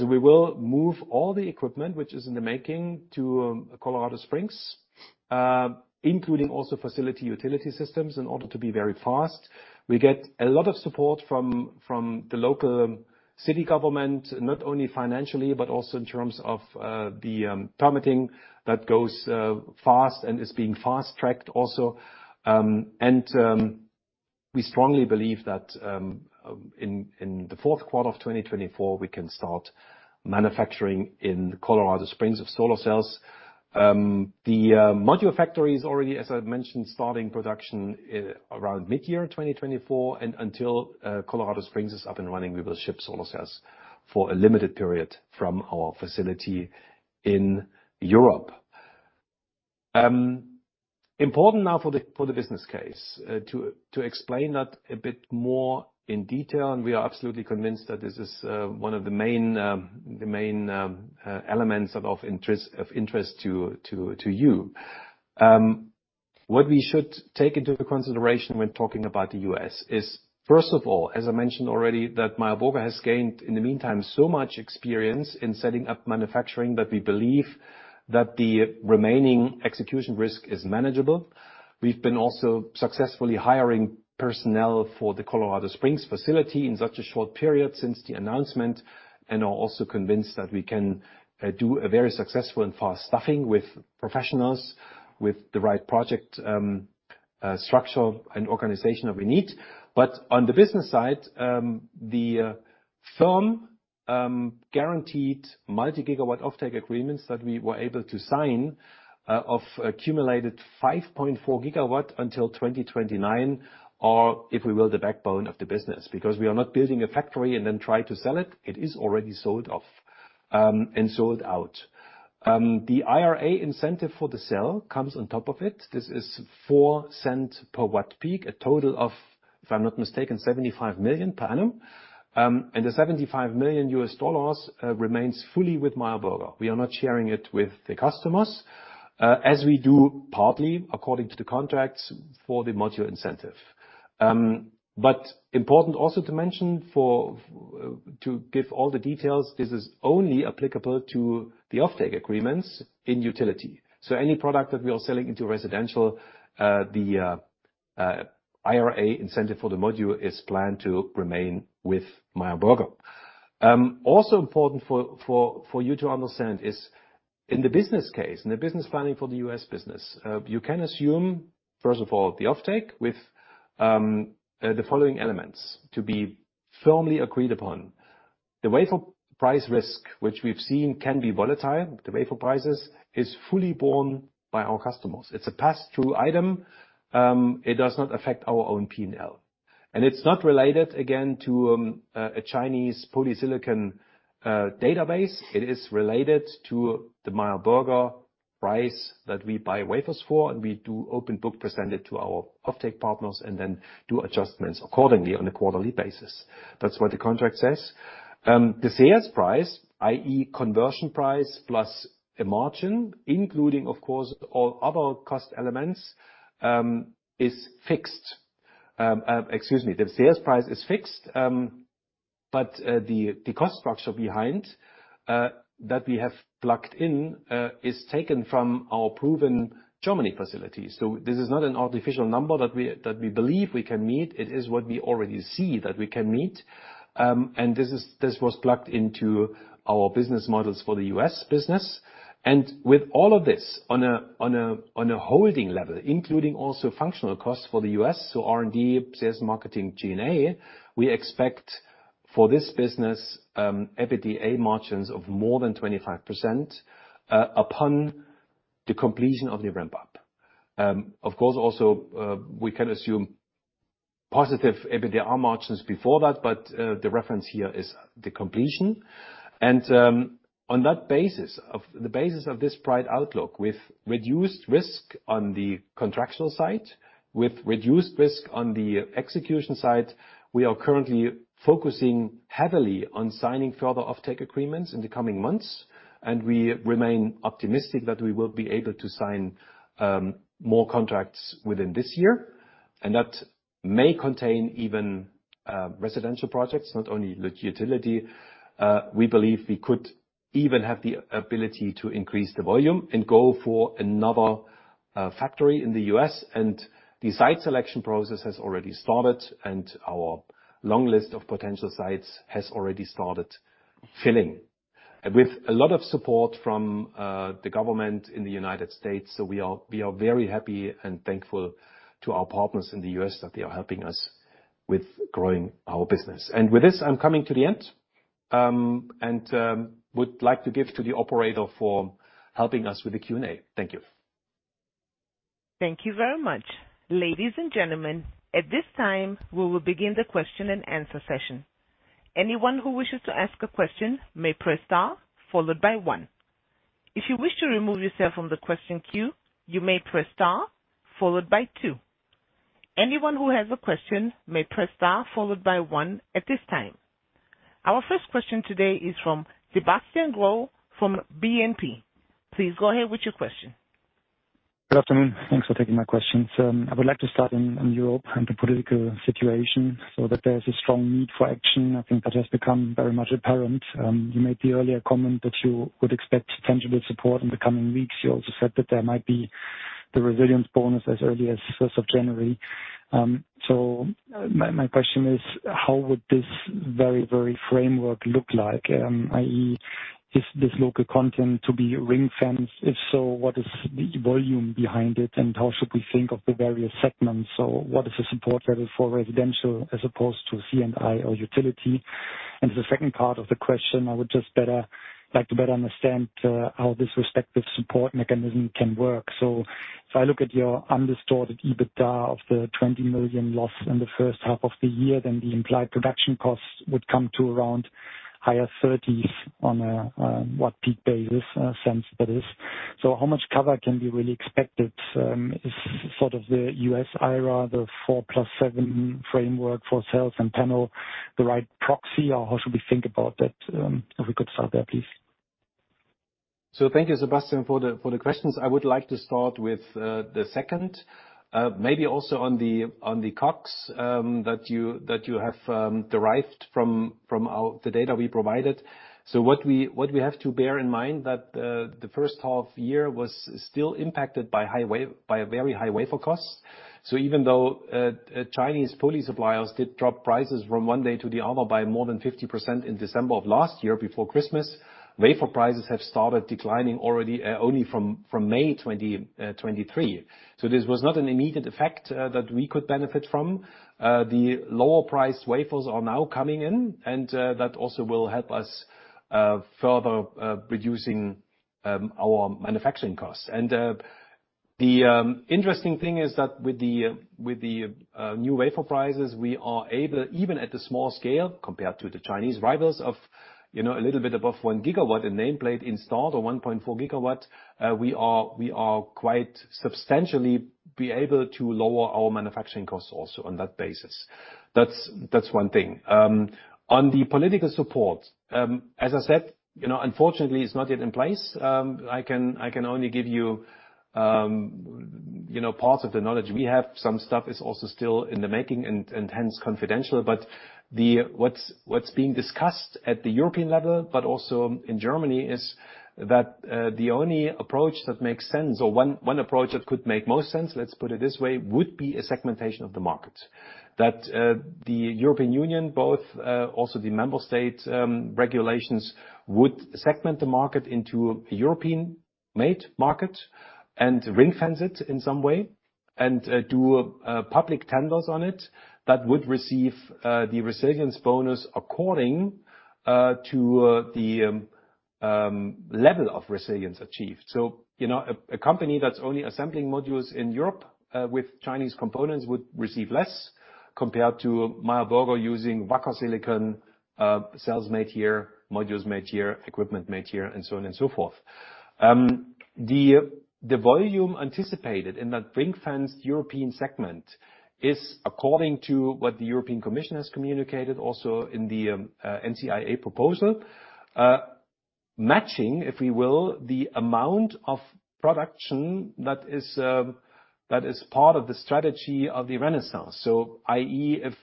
[SPEAKER 1] We will move all the equipment, which is in the making, to Colorado Springs, including also facility utility systems, in order to be very fast. We get a lot of support from, from the local city government, not only financially, but also in terms of the permitting that goes fast and is being fast-tracked also. We strongly believe that in the Q4 of 2024, we can start manufacturing in Colorado Springs of solar cells. The module factory is already, as I mentioned, starting production around mid-year 2024, and until Colorado Springs is up and running, we will ship solar cells for a limited period from our facility in Europe. Important now for the business case to explain that a bit more in detail. We are absolutely convinced that this is one of the main, the main elements of interest to you. What we should take into consideration when talking about the US is, first of all, as I mentioned already, that Meyer Burger has gained, in the meantime, so much experience in setting up manufacturing, that we believe that the remaining execution risk is manageable. We've been also successfully hiring personnel for the Colorado Springs facility in such a short period since the announcement, and are also convinced that we can do a very successful and fast staffing with professionals, with the right project structure and organization that we need. On the business side, the firm guaranteed multi-gigawatt offtake agreements that we were able to sign, of accumulated 5.4 gigawatt until 2029, are, if we will, the backbone of the business. Because we are not building a factory and then try to sell it, it is already sold off and sold out. The IRA incentive for the cell comes on top of it. This is 4 cent per watt peak, a total of, if I'm not mistaken, $75 million per annum. The $75 million remains fully with Meyer Burger. We are not sharing it with the customers, as we do, partly according to the contracts, for the module incentive. Important also to mention for, to give all the details, this is only applicable to the offtake agreements in utility. Any product that we are selling into residential, the IRA incentive for the module is planned to remain with Meyer Burger. Also important for, for, for you to understand is in the business case, in the business planning for the U.S. business, you can assume, first of all, the offtake with the following elements to be firmly agreed upon. The wafer price risk, which we've seen, can be volatile. The wafer prices is fully borne by our customers. It's a pass-through item. It does not affect our own P&L. It's not related, again, to a Chinese polysilicon database. It is related to the Meyer Burger price that we buy wafers for, and we do open book, present it to our offtake partners, and then do adjustments accordingly on a quarterly basis. That's what the contract says. The sales price, i.e., conversion price plus a margin, including, of course, all other cost elements, is fixed. Excuse me, the sales price is fixed, but the cost structure behind that we have plugged in is taken from our proven Germany facilities. This is not an artificial number that we, that we believe we can meet. It is what we already see that we can meet. This was plugged into our business models for the US business. With all of this, on a, on a, on a holding level, including also functional costs for the US, so R&D, sales, marketing, G&A, we expect for this business, EBITDA margins of more than 25% upon the completion of the ramp-up. Of course, also, we can assume positive EBITDA margins before that, but the reference here is the completion. On that basis, of the basis of this bright outlook, with reduced risk on the contractual side, with reduced risk on the execution side, we are currently focusing heavily on signing further offtake agreements in the coming months, and we remain optimistic that we will be able to sign more contracts within this year. That may contain even residential projects, not only the utility. We believe we could even have the ability to increase the volume and go for another factory in the US. The site selection process has already started, and our long list of potential sites has already started filling, with a lot of support from the government in the United States. We are, we are very happy and thankful to our partners in the US that they are helping us with growing our business. With this, I'm coming to the end, and would like to give to the operator for helping us with the Q&A. Thank you.
[SPEAKER 3] Thank you very much. Ladies and gentlemen, at this time, we will begin the question and answer session. Anyone who wishes to ask a question may press star followed by one. If you wish to remove yourself from the question queue, you may press star followed by two. Anyone who has a question may press star followed by one at this time. Our first question today is from Sebastian Groh, from BNP. Please go ahead with your question.
[SPEAKER 4] Good afternoon. Thanks for taking my questions. I would like to start in, in Europe and the political situation, so that there is a strong need for action. I think that has become very much apparent. You made the earlier comment that you would expect tangible support in the coming weeks. You also said that there might be the resilience bonus as early as 1 January. My question is: How would this very, very framework look like? i.e., is this local content to be ring-fenced? If so, what is the volume behind it, and how should we think of the various segments? What is the support level for residential as opposed to C&I or utility? The second part of the question, I would just like to better understand, how this respective support mechanism can work. If I look at your undistorted EBITDA of the 20 million loss in the first half of the year, then the implied production costs would come to around higher 30s on a, what, peak basis, sense that is. How much cover can be really expected, is sort of the US IRA, the 4 + 7 framework for cells and panel, the right proxy, or how should we think about that? If we could start there, please.
[SPEAKER 1] Thank you, Sebastian, for the questions. I would like to start with the second, maybe also on the capex, that you, that you have, derived from the data we provided. What we, what we have to bear in mind, that the first half year was still impacted by a very high wafer costs. Even though Chinese poly suppliers did drop prices from one day to the other by more than 50% in December of last year, before Christmas, wafer prices have started declining already, only from May 2023. This was not an immediate effect that we could benefit from. The lower priced wafers are now coming in, and that also will help us further reducing our manufacturing costs. The interesting thing is that with the new wafer prices, we are able, even at a small scale, compared to the Chinese rivals of, you know, a little bit above 1 gigawatt in nameplate installed, or 1.4 gigawatt, we are quite substantially able to lower our manufacturing costs also on that basis. That's one thing. On the political support, as I said, you know, unfortunately, it's not yet in place. I can only give you, you know, part of the knowledge we have. Some stuff is also still in the making and, and hence confidential, but what's being discussed at the European level, but also in Germany, is that the only approach that makes sense, or one, one approach that could make most sense, let's put it this way, would be a segmentation of the market. That the European Union, both, also the member state, regulations, would segment the market into a European-made market and ring-fence it in some way, and do public tenders on it that would receive the resilience bonus according to the level of resilience achieved. You know, a, a company that's only assembling modules in Europe, with Chinese components would receive less compared to Meyer Burger using Wacker silicon, cells made here, modules made here, equipment made here, and so on and so forth. The, the volume anticipated in that ring-fenced European segment is according to what the European Commission has communicated also in the NZIA proposal, matching, if we will, the amount of production that is, that is part of the strategy of the renaissance. I.e., if,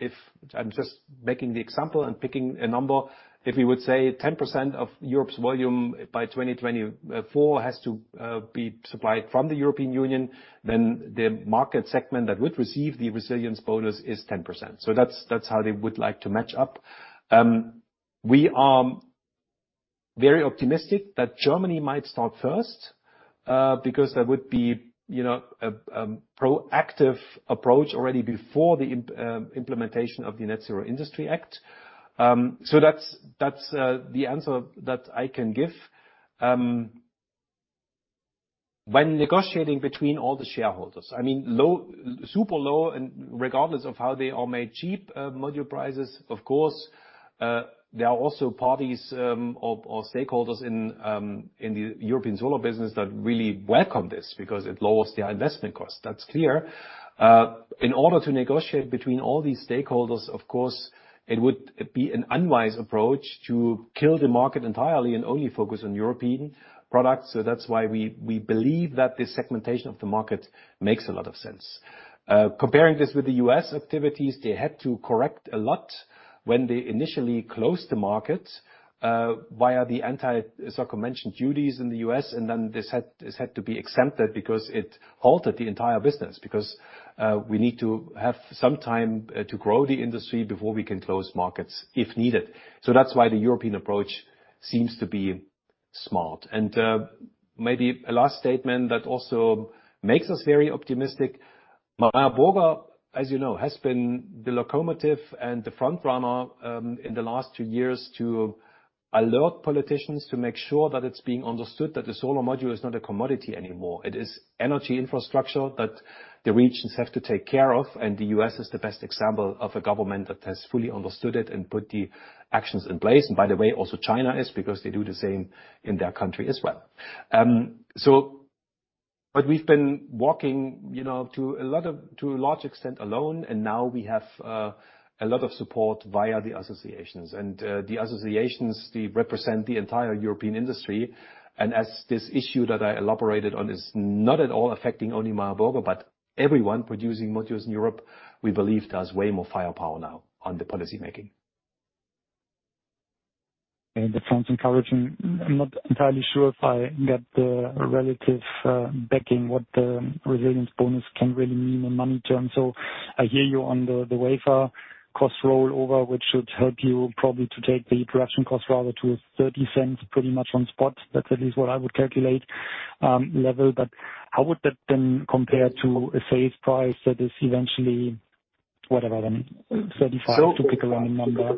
[SPEAKER 1] if I'm just making the example and picking a number. If we would say 10% of Europe's volume by 2024 has to be supplied from the European Union, then the market segment that would receive the resilience bonus is 10%. That's, that's how they would like to match up. We are very optimistic that Germany might start first, because that would be, you know, a proactive approach already before the implementation of the Net-Zero Industry Act. That's, that's the answer that I can give. When negotiating between all the shareholders, I mean, low, super low, and regardless of how they are made cheap, module prices, of course, there are also parties, or stakeholders in the European solar business that really welcome this because it lowers their investment cost. That's clear. In order to negotiate between all these stakeholders, of course, it would be an unwise approach to kill the market entirely and only focus on European products. That's why we, we believe that this segmentation of the market makes a lot of sense. Comparing this with the U.S. activities, they had to correct a lot when they initially closed the market via the anti, so-called, mentioned duties in the U.S., then this had, this had to be exempted because it halted the entire business, because we need to have some time to grow the industry before we can close markets, if needed. That's why the European approach seems to be smart. Maybe a last statement that also makes us very optimistic. Meyer Burger, as you know, has been the locomotive and the front runner in the last two years to alert politicians to make sure that it's being understood that the solar module is not a commodity anymore. It is energy infrastructure that the regions have to take care of, and the U.S. is the best example of a government that has fully understood it and put the actions in place. By the way, also China is, because they do the same in their country as well. We've been walking to a large extent alone, and now we have a lot of support via the associations. The associations, they represent the entire European industry, and as this issue that I elaborated on, is not at all affecting only Meyer Burger, but everyone producing modules in Europe, we believe, there's way more firepower now on the policy making.
[SPEAKER 4] That sounds encouraging. I'm not entirely sure if I get the relative backing, what the resilience bonus can really mean in money terms. I hear you on the, the wafer cost rollover, which should help you probably to take the production cost rather to 0.30, pretty much on spot. That's at least what I would calculate, level. How would that then compare to a sales price that is eventually, whatever, then, 0.35, to pick a random number?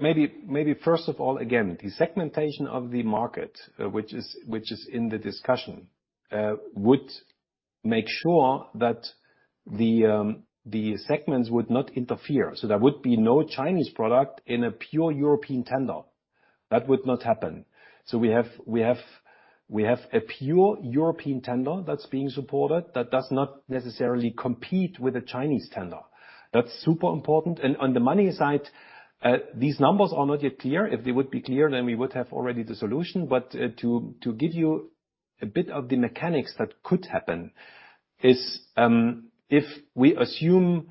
[SPEAKER 1] Maybe, maybe first of all, again, the segmentation of the market, which is, which is in the discussion, would make sure that the segments would not interfere. There would be no Chinese product in a pure European tender. That would not happen. We have, we have, we have a pure European tender that's being supported, that does not necessarily compete with a Chinese tender. That's super important. On the money side, these numbers are not yet clear. If they would be clear, then we would have already the solution. To give you a bit of the mechanics that could happen is, if we assume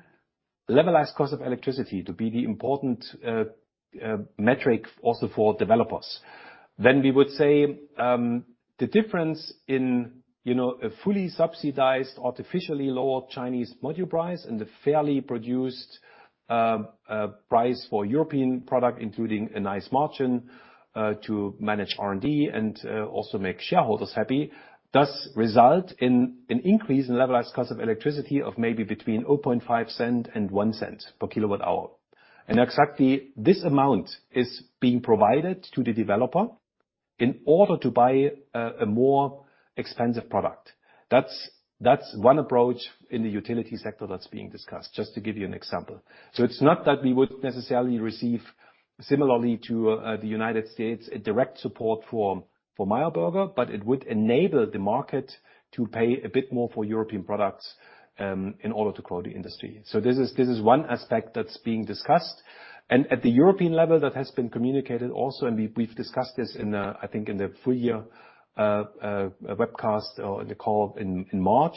[SPEAKER 1] levelized cost of electricity to be the important metric also for developers, then we would say, the difference in a fully subsidized, artificially lower Chinese module price and the fairly produced price for European product, including a nice margin to manage R&D and also make shareholders happy, does result in an increase in levelized cost of electricity of maybe between 0.005 and 0.01 per kilowatt hour. Exactly this amount is being provided to the developer in order to buy a more expensive product. That's one approach in the utility sector that's being discussed, just to give you an example. It's not that we would necessarily receive, similarly to the United States, a direct support for, for Meyer Burger, but it would enable the market to pay a bit more for European products in order to grow the industry. This is, this is one aspect that's being discussed. At the European level, that has been communicated also, and we've, we've discussed this in the, I think in the full year webcast or the call in, in March.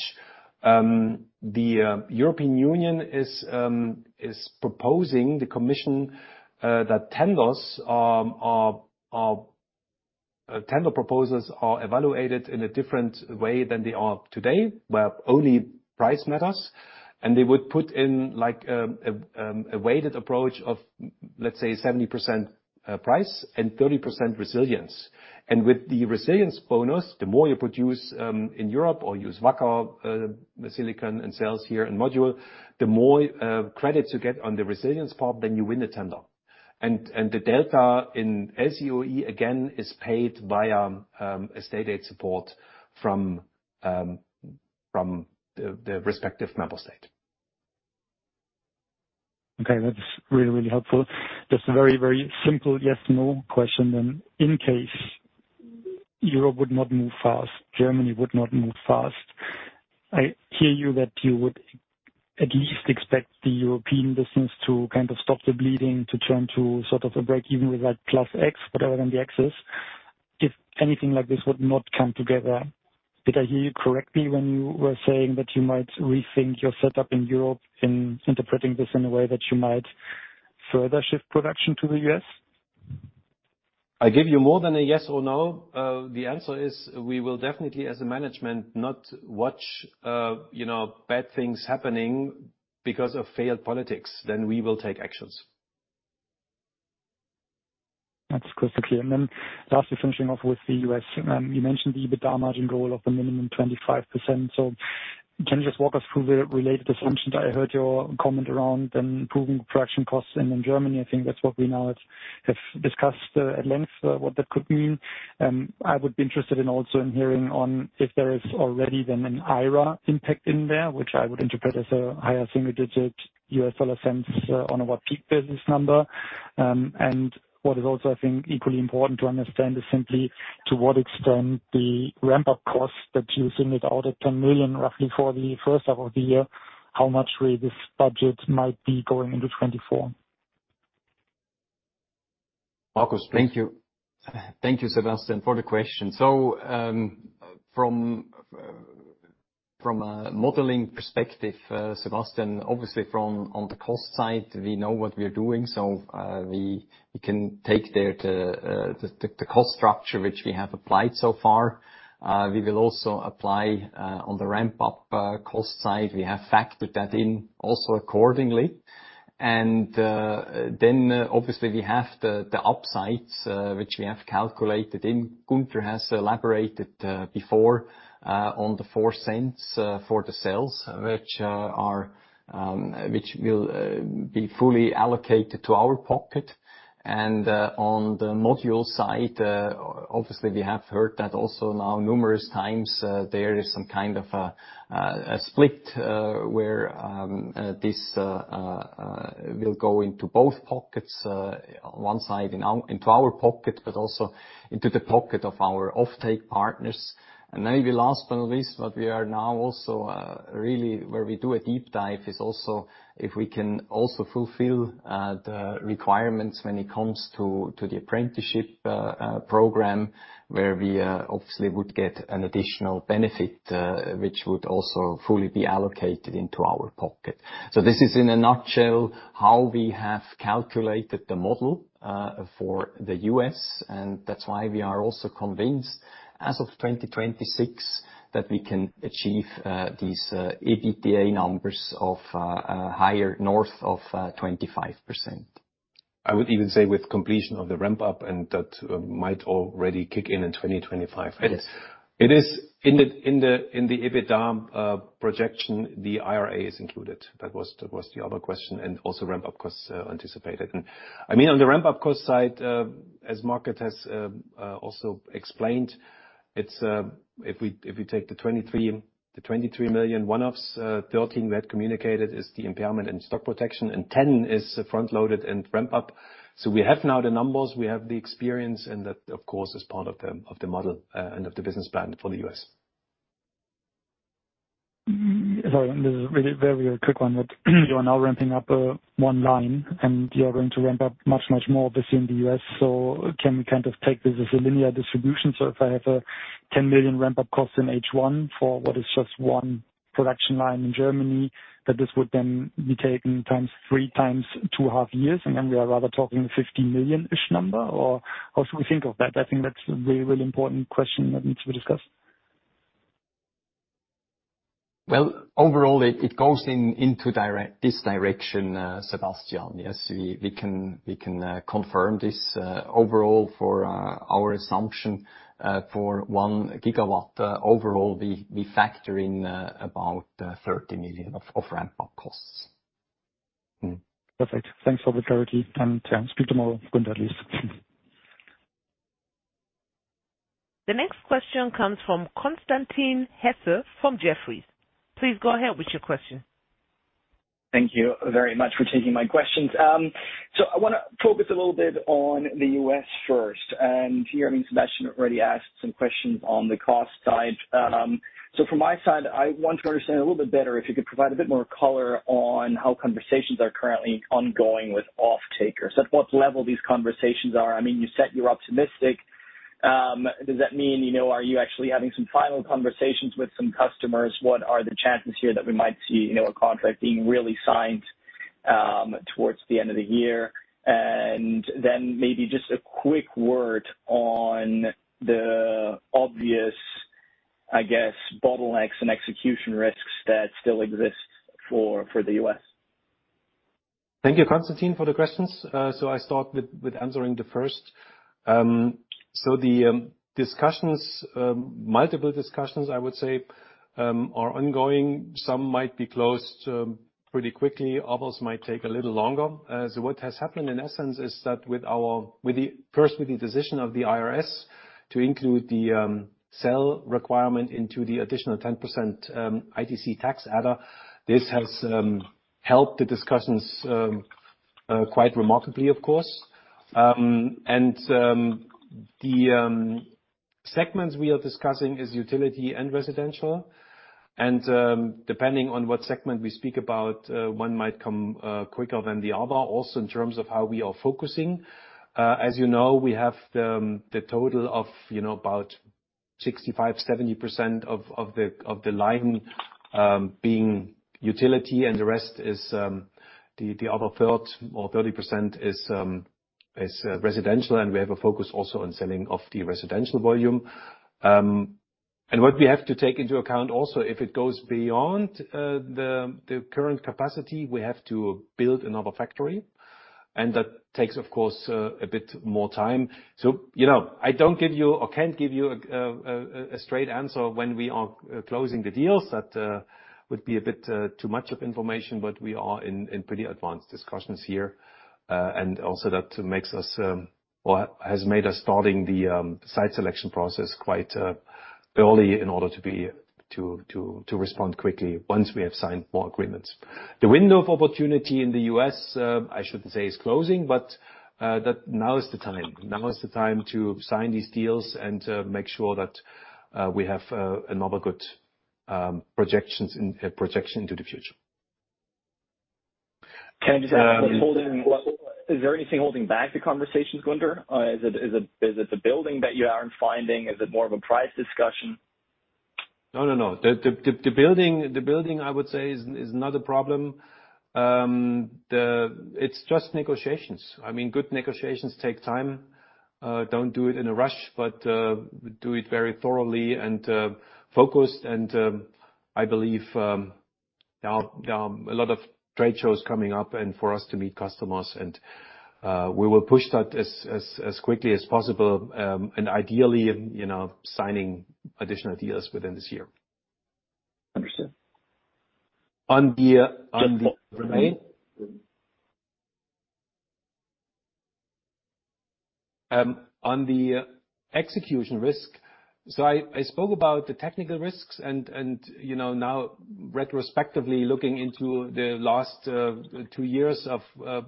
[SPEAKER 1] The European Union is proposing the Commission that tenders, tender proposals are evaluated in a different way than they are today, where only price matters. They would put in, like, a weighted approach of, let's say, 70% price and 30% resilience. With the resilience bonus, the more you produce in Europe or use Wacker silicon and cells here in module, the more credits you get on the resilience part, then you win the tender. The delta in LCOE, again, is paid via a state aid support from the respective member state.
[SPEAKER 4] Okay, that's really, really helpful. Just a very, very simple yes, no question then. In case Europe would not move fast, Germany would not move fast, I hear you that you would at least expect the European business to kind of stop the bleeding, to turn to sort of a break even with, like, plus X, whatever then the X is, if anything like this would not come together. Did I hear you correctly when you were saying that you might rethink your setup in Europe, in interpreting this in a way that you might further shift production to the US?
[SPEAKER 1] I give you more than a yes or no. The answer is, we will definitely, as a management, not watch, you know, bad things happening because of failed politics, then we will take actions.
[SPEAKER 4] That's crystal clear. Then lastly, finishing off with the U.S. You mentioned the EBITDA margin goal of the minimum 25%. Can you just walk us through the related assumptions? I heard your comment around improving production costs in Germany, I think that's what we now have, have discussed at length, what that could mean. I would be interested in also in hearing on if there is already then an IRA impact in there, which I would interpret as a higher single digit U.S. dollar cents on our peak business number. What is also, I think, equally important to understand is simply to what extent the ramp-up costs that you singled out at $10 million, roughly for the first half of the year, how much will this budget might be going into 2024?
[SPEAKER 1] Markus, please.
[SPEAKER 2] Thank you. Thank you, Sebastian, for the question. From a modeling perspective, Sebastian, obviously from, on the cost side, we know what we are doing, we can take there the cost structure, which we have applied so far. We will also apply on the ramp-up cost side. We have factored that in also accordingly. Then, obviously, we have the upsides, which we have calculated in. Gunter has elaborated before on the 0.04 for the cells, which are, which will be fully allocated to our pocket. On the module side, obviously, we have heard that also now numerous times, there is some kind of a split where this will go into both pockets. One side into our pocket, but also into the pocket of our offtake partners. Maybe last but not least, what we are now also really, where we do a deep dive, is also if we can also fulfill the requirements when it comes to the apprenticeship program, where we obviously would get an additional benefit, which would also fully be allocated into our pocket. This is in a nutshell, how we have calculated the model for the U.S., and that's why we are also convinced, as of 2026, that we can achieve these EBITDA numbers of higher, north of 25%.
[SPEAKER 1] I would even say with completion of the ramp-up, and that might already kick in in 2025.
[SPEAKER 2] It is.
[SPEAKER 1] It is in the, in the, in the EBITDA projection, the IRA is included. That was, that was the other question, and also ramp-up costs anticipated. I mean, on the ramp-up cost side, as Markus has also explained, it's, if we, if we take the 23 million one-offs, 13 million we had communicated is the impairment and stock protection, and 10 million is front-loaded and ramp up. We have now the numbers, we have the experience, and that, of course, is part of the, of the model, and of the business plan for the US.
[SPEAKER 4] Sorry, this is a really very quick one, but you are now ramping up one line, and you are going to ramp up much, much more, obviously, in the US. Can we kind of take this as a linear distribution? If I have a 10 million ramp-up cost in H1 for what is just one production line in Germany, that this would then be taken times three, times two half years, and then we are rather talking a 50 million-ish number? How should we think of that? I think that's a really, really important question that needs to be discussed.
[SPEAKER 2] Well, overall, it, it goes in, into direct, this direction, Sebastian. Yes, we, we can, we can confirm this overall for our assumption for 1 gigawatt. Overall, we, we factor in about 30 million of ramp-up costs.
[SPEAKER 4] Hmm. Perfect. Thanks for the clarity, and speak tomorrow, Gunther, at least.
[SPEAKER 3] The next question comes from Constantin Hesse from Jefferies. Please go ahead with your question.
[SPEAKER 5] Thank you very much for taking my questions. I want to focus a little bit on the U.S. first. Hearing Sebastian already asked some questions on the cost side. From my side, I want to understand a little bit better if you could provide a bit more color on how conversations are currently ongoing with offtakers. At what level these conversations are? You said you're optimistic. Does that mean, you know, are you actually having some final conversations with some customers? What are the chances here that we might see, you know, a contract being really signed, towards the end of the year? Maybe just a quick word on the obvious, I guess, bottlenecks and execution risks that still exist for, for the U.S.
[SPEAKER 1] Thank you, Constantin, for the questions. I start with, with answering the first. The discussions, multiple discussions, I would say, are ongoing. Some might be closed pretty quickly, others might take a little longer. What has happened, in essence, is that with the, first, with the decision of the IRS to include the cell requirement into the additional 10% ITC tax adder, this has helped the discussions quite remarkably, of course. The segments we are discussing is utility and residential. Depending on what segment we speak about, one might come quicker than the other. Also, in terms of how we are focusing, as you know, we have the total of, you know, about 65%-70% of the line being utility, and the rest is the other third, or 30% is residential, and we have a focus also on selling off the residential volume. What we have to take into account also, if it goes beyond the current capacity, we have to build another factory, and that takes, of course, a bit more time. You know, I don't give you or can't give you a straight answer when we are closing the deals. That would be a bit too much of information, but we are in pretty advanced discussions here. Also that makes us, or has made us starting the site selection process quite early in order to respond quickly once we have signed more agreements. The window of opportunity in the US, I shouldn't say is closing, but that now is the time. Now is the time to sign these deals and make sure that we have another good projection into the future.
[SPEAKER 5] Can I just ask what's holding, is there anything holding back the conversations, Gunter? Is it the building that you aren't finding? Is it more of a price discussion?
[SPEAKER 1] No, no, no. The, the, the, the building, the building, I would say, is, is not a problem. It's just negotiations. I mean, good negotiations take time. Don't do it in a rush, but we do it very thoroughly and focused. I believe there are, there are a lot of trade shows coming up, and for us to meet customers, and we will push that as, as, as quickly as possible, and ideally, you know, signing additional deals within this year.
[SPEAKER 5] Understood.
[SPEAKER 1] On the.
[SPEAKER 5] Remain.
[SPEAKER 1] On the execution risk, so I, I spoke about the technical risks and, and, you know, now retrospectively looking into the last two years of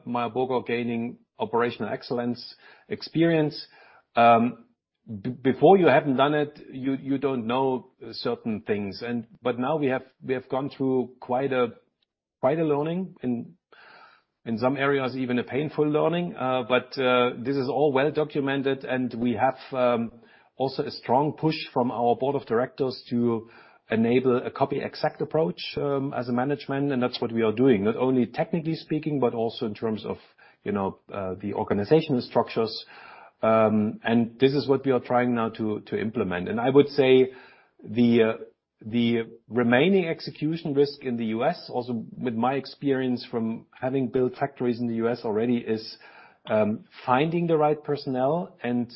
[SPEAKER 1] Meyer Burger gaining operational excellence experience, before you haven't done it, you, you don't know certain things. Now we have, we have gone through quite a, quite a learning, in, in some areas, even a painful learning. This is all well documented, and we have also a strong push from our board of directors to enable a copy-exact approach as a management, and that's what we are doing, not only technically speaking, but also in terms of, you know, the organizational structures. This is what we are trying now to, to implement. I would say the remaining execution risk in the U.S., also with my experience from having built factories in the U.S. already, is finding the right personnel and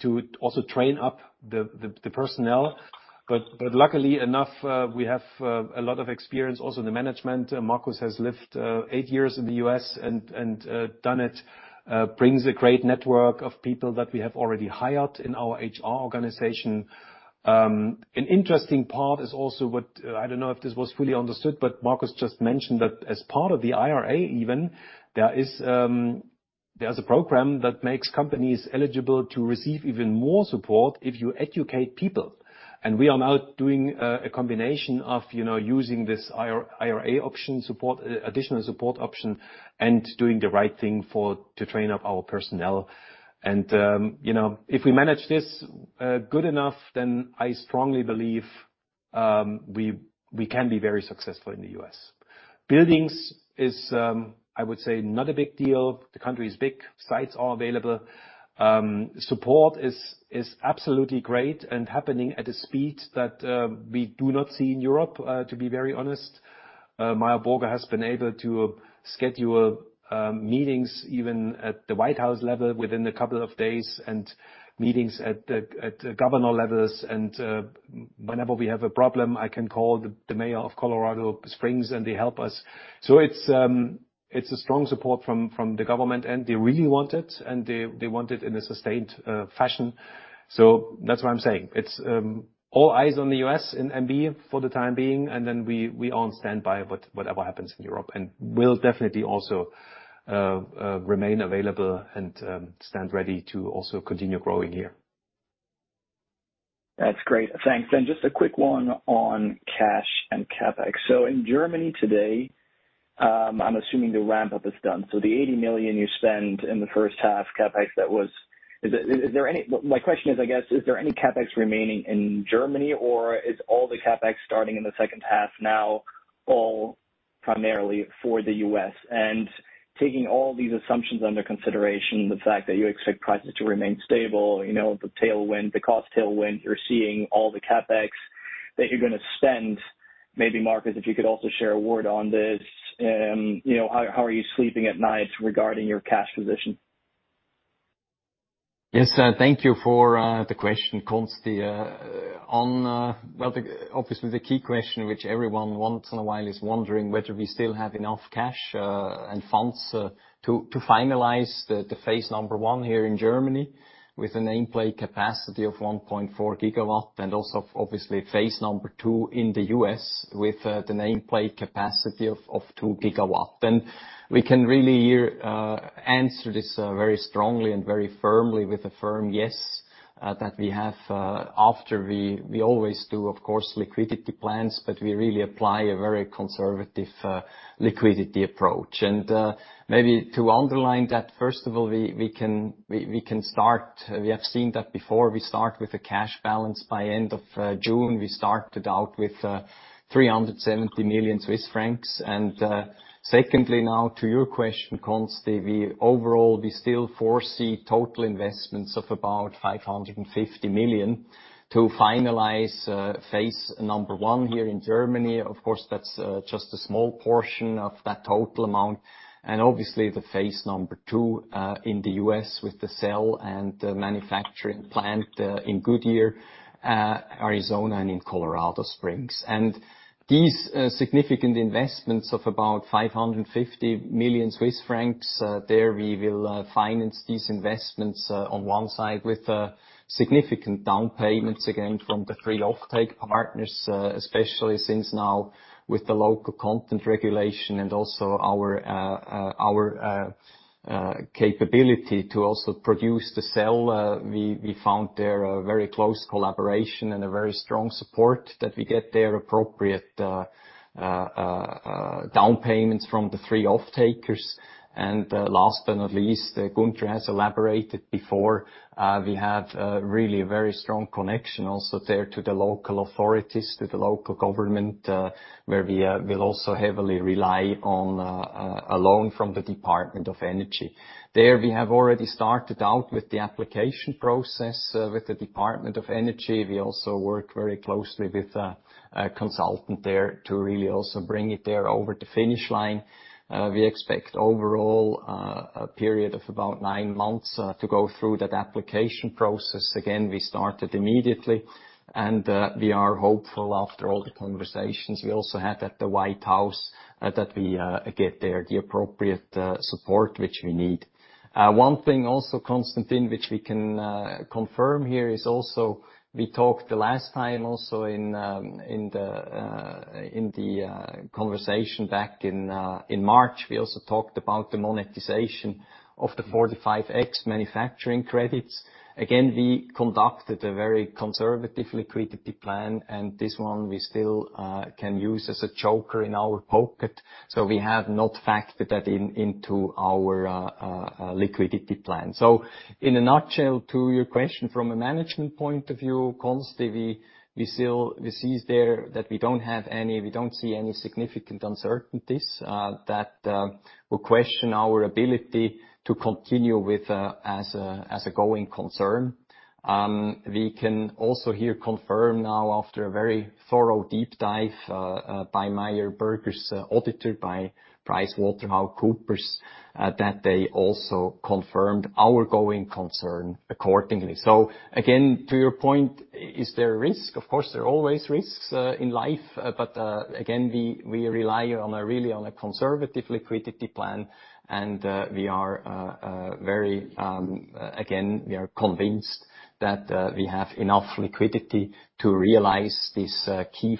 [SPEAKER 1] to also train up the personnel. Luckily enough, we have a lot of experience also in the management. Markus has lived 8 years in the U.S. and done it, brings a great network of people that we have already hired in our HR organization. An interesting part is also what I don't know if this was fully understood, but Markus just mentioned that as part of the IRA even, there is there's a program that makes companies eligible to receive even more support if you educate people. We are now doing a combination of, you know, using this IRA option support, additional support option, and doing the right thing for to train up our personnel. You know, if we manage this good enough, then I strongly believe, we can be very successful in the US. Buildings is, I would say, not a big deal. The country is big, sites are available. Support is absolutely great and happening at a speed that we do not see in Europe, to be very honest. Meyer Burger has been able to schedule meetings even at the White House level within a couple of days, and meetings at the governor levels. Whenever we have a problem, I can call the mayor of Colorado Springs, and they help us. It's, it's a strong support from, from the government, and they really want it, and they, they want it in a sustained fashion. That's why I'm saying, it's, all eyes on the US in MB for the time being. Then we, we are on standby, but whatever happens in Europe, and we'll definitely also, remain available and, stand ready to also continue growing here.
[SPEAKER 5] That's great. Thanks. Just a quick one on cash and CapEx. In Germany today, I'm assuming the ramp-up is done. The 80 million you spent in the first half CapEx, my question is, I guess, is there any CapEx remaining in Germany, or is all the CapEx starting in the second half now all primarily for the US? Taking all these assumptions under consideration, the fact that you expect prices to remain stable, you know, the tailwind, the cost tailwind, you're seeing all the CapEx that you're going to spend. Maybe, Markus, if you could also share a word on this. You know, how, how are you sleeping at night regarding your cash position?
[SPEAKER 2] Yes, thank you for the question, Consti. On, well, the obviously, the key question, which everyone once in a while is wondering whether we still have enough cash and funds to finalize the phase number 1 here in Germany, with a nameplate capacity of 1.4 gigawatt, and also, obviously, phase number 2 in the US, with the nameplate capacity of 2 gigawatt. We can really answer this very strongly and very firmly with a firm yes, that we have after we, we always do, of course, liquidity plans, but we really apply a very conservative liquidity approach. Maybe to underline that, first of all, we, we can, we, we can start, we have seen that before, we start with a cash balance by end of June. We started out with 370 million Swiss francs. Secondly, now to your question, Consti, we overall, we still foresee total investments of about 550 million to finalize phase number one here in Germany. Of course, that's just a small portion of that total amount, and obviously, the phase number two in the US, with the cell and the manufacturing plant in Goodyear, Arizona and in Colorado Springs. These significant investments of about 550 million Swiss francs, there we will finance these investments on one side with significant down payments, again, from the three offtake partners, especially since now with the local content regulation and also our our capability to also produce the cell. We, we found there a very close collaboration and a very strong support that we get there, appropriate down payments from the 3 off-takers. Last but not least, Gunter has elaborated before, we have really a very strong connection also there to the local authorities, to the local government, where we will also heavily rely on a loan from the Department of Energy. There, we have already started out with the application process with the Department of Energy. We also work very closely with a, a consultant there to really also bring it there over the finish line. We expect overall a period of about 9 months to go through that application process. We started immediately, and we are hopeful after all the conversations we also had at the White House, that we get there the appropriate support which we need. One thing also, Constantin, which we can confirm here is also, we talked the last time also in the conversation back in March, we also talked about the monetization of the 45X manufacturing credits. We conducted a very conservative liquidity plan, and this one we still can use as a choker in our pocket. We have not factored that in into our liquidity plan. In a nutshell, to your question, from a management point of view, Consti, we, we still, we see is there that we don't see any significant uncertainties that will question our ability to continue as a going concern. We can also here confirm now after a very thorough deep dive by Meyer Burger's auditor, by PricewaterhouseCoopers, that they also confirmed our going concern accordingly. Again, to your point, is there a risk? Of course, there are always risks in life. Again, we rely on a really conservative liquidity plan, and we are very, again, we are convinced that we have enough liquidity to realize this key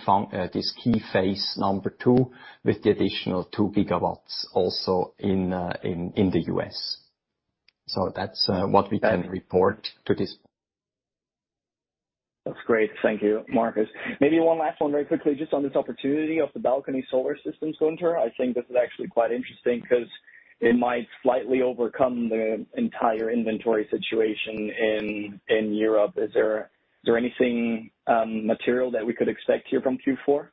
[SPEAKER 2] phase number 2, with the additional 2 gigawatts also in the US. That's what we can report to this.
[SPEAKER 5] That's great. Thank you, Markus. Maybe one last one very quickly, just on this opportunity of the balcony solar system, Gunter. I think this is actually quite interesting because it might slightly overcome the entire inventory situation in, in Europe. Is there, is there anything, material that we could expect here from Q4?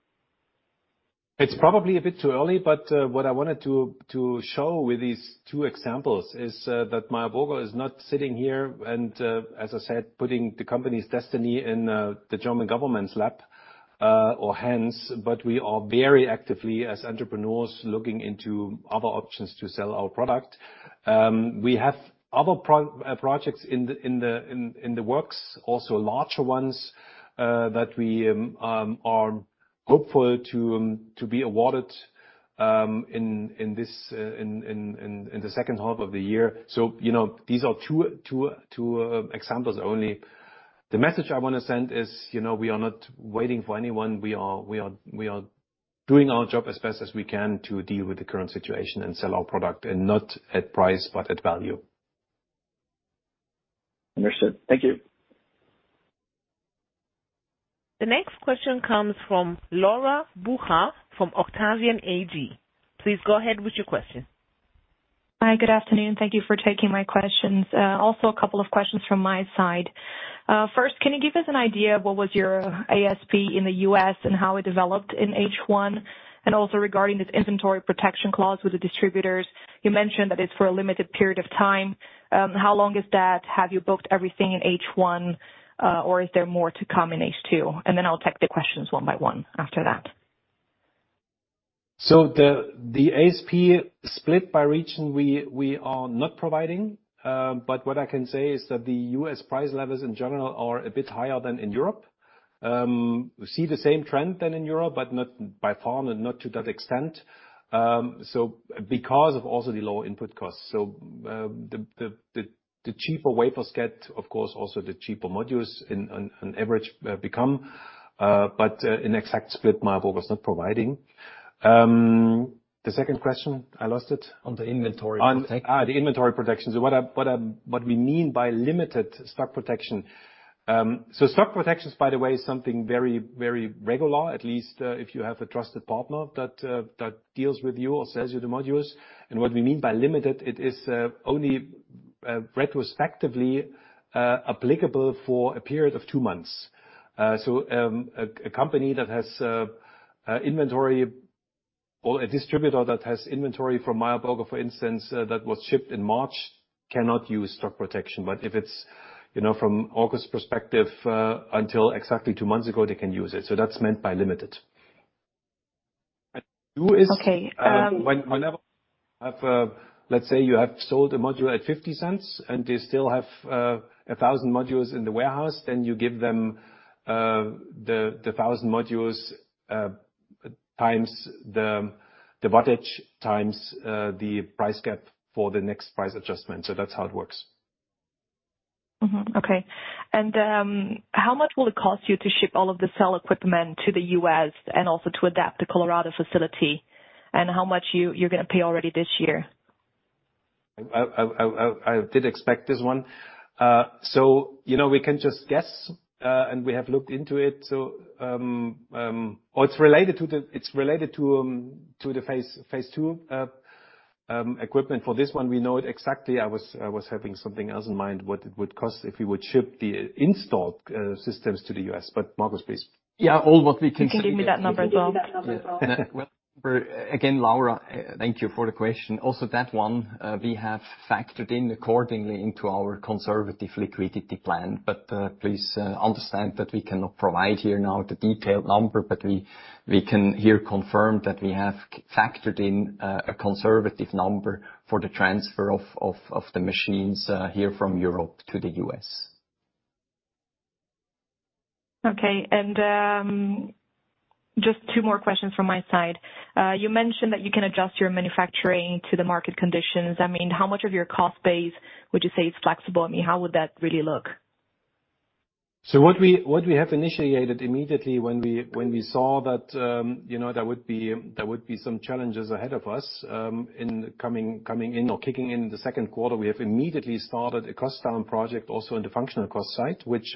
[SPEAKER 1] It's probably a bit too early, but what I wanted to show with these two examples is that Meyer Burger is not sitting here, and as I said, putting the company's destiny in the German government's lap or hands, but we are very actively, as entrepreneurs, looking into other options to sell our product. We have other projects in the works, also larger ones that we are hopeful to be awarded in this, in the second half of the year. you know, these are two examples only. The message I want to send is, you know, we are not waiting for anyone. We are, we are, we are doing our job as best as we can to deal with the current situation and sell our product, and not at price, but at value.
[SPEAKER 5] Understood. Thank you.
[SPEAKER 3] The next question comes from Laura Bucher, from Octavian AG. Please go ahead with your question.
[SPEAKER 6] Hi, good afternoon. Thank you for taking my questions. Also a couple of questions from my side. First, can you give us an idea of what was your ASP in the US and how it developed in H1? Also regarding this inventory protection clause with the distributors, you mentioned that it's for a limited period of time. How long is that? Have you booked everything in H1, or is there more to come in H2? Then I'll take the questions one by one after that.
[SPEAKER 1] The, the ASP split by region, we, we are not providing, but what I can say is that the US price levels in general are a bit higher than in Europe. We see the same trend than in Europe, but not by far and not to that extent. Because of also the lower input costs. The, the, the, the cheaper wafers get, of course, also the cheaper modules on, on average, become, but an exact split, Meyer Burger was not providing. The second question, I lost it.
[SPEAKER 2] On the inventory protection.
[SPEAKER 1] On the inventory protection. What we mean by limited stock protection. Stock protections, by the way, is something very, very regular, at least, if you have a trusted partner that deals with you or sells you the modules. What we mean by limited, it is only retrospectively applicable for a period of two months. A company that has inventory, or a distributor that has inventory from Meyer Burger, for instance, that was shipped in March, cannot use stock protection. If it's, you know, from August perspective, until exactly two months ago, they can use it. That's meant by limited. Two.
[SPEAKER 6] Okay.
[SPEAKER 1] Whenever you have, let's say you have sold a module at $0.50, and they still have, 1,000 modules in the warehouse, then you give them, the, the 1,000 modules, times the, the wattage, times, the price gap for the next price adjustment. That's how it works.
[SPEAKER 6] Mm-hmm. Okay. How much will it cost you to ship all of the cell equipment to the US and also to adapt the Colorado facility? How much you're gonna pay already this year?
[SPEAKER 1] I did expect this one. You know, we can just guess, and we have looked into it. Or it's related to the-- It's related to the phase, phase 2 equipment. For this one, we know it exactly. I was, I was having something else in mind, what it would cost if we would ship the installed systems to the US. Markus, please.
[SPEAKER 2] Yeah, all what we can see-
[SPEAKER 6] You can give me that number as well.
[SPEAKER 2] Again, Laura, thank you for the question. That one, we have factored in accordingly into our conservative liquidity plan, but please understand that we cannot provide here now the detailed number, but we can here confirm that we have factored in a conservative number for the transfer of the machines here from Europe to the U.S.
[SPEAKER 6] Okay. Just 2 more questions from my side. You mentioned that you can adjust your manufacturing to the market conditions. I mean, how much of your cost base would you say is flexible? I mean, how would that really look?
[SPEAKER 1] What we, what we have initiated immediately when we, when we saw that, you know, there would be, there would be some challenges ahead of us, in coming, coming in or kicking in the Q2, we have immediately started a cost down project also in the functional cost side, which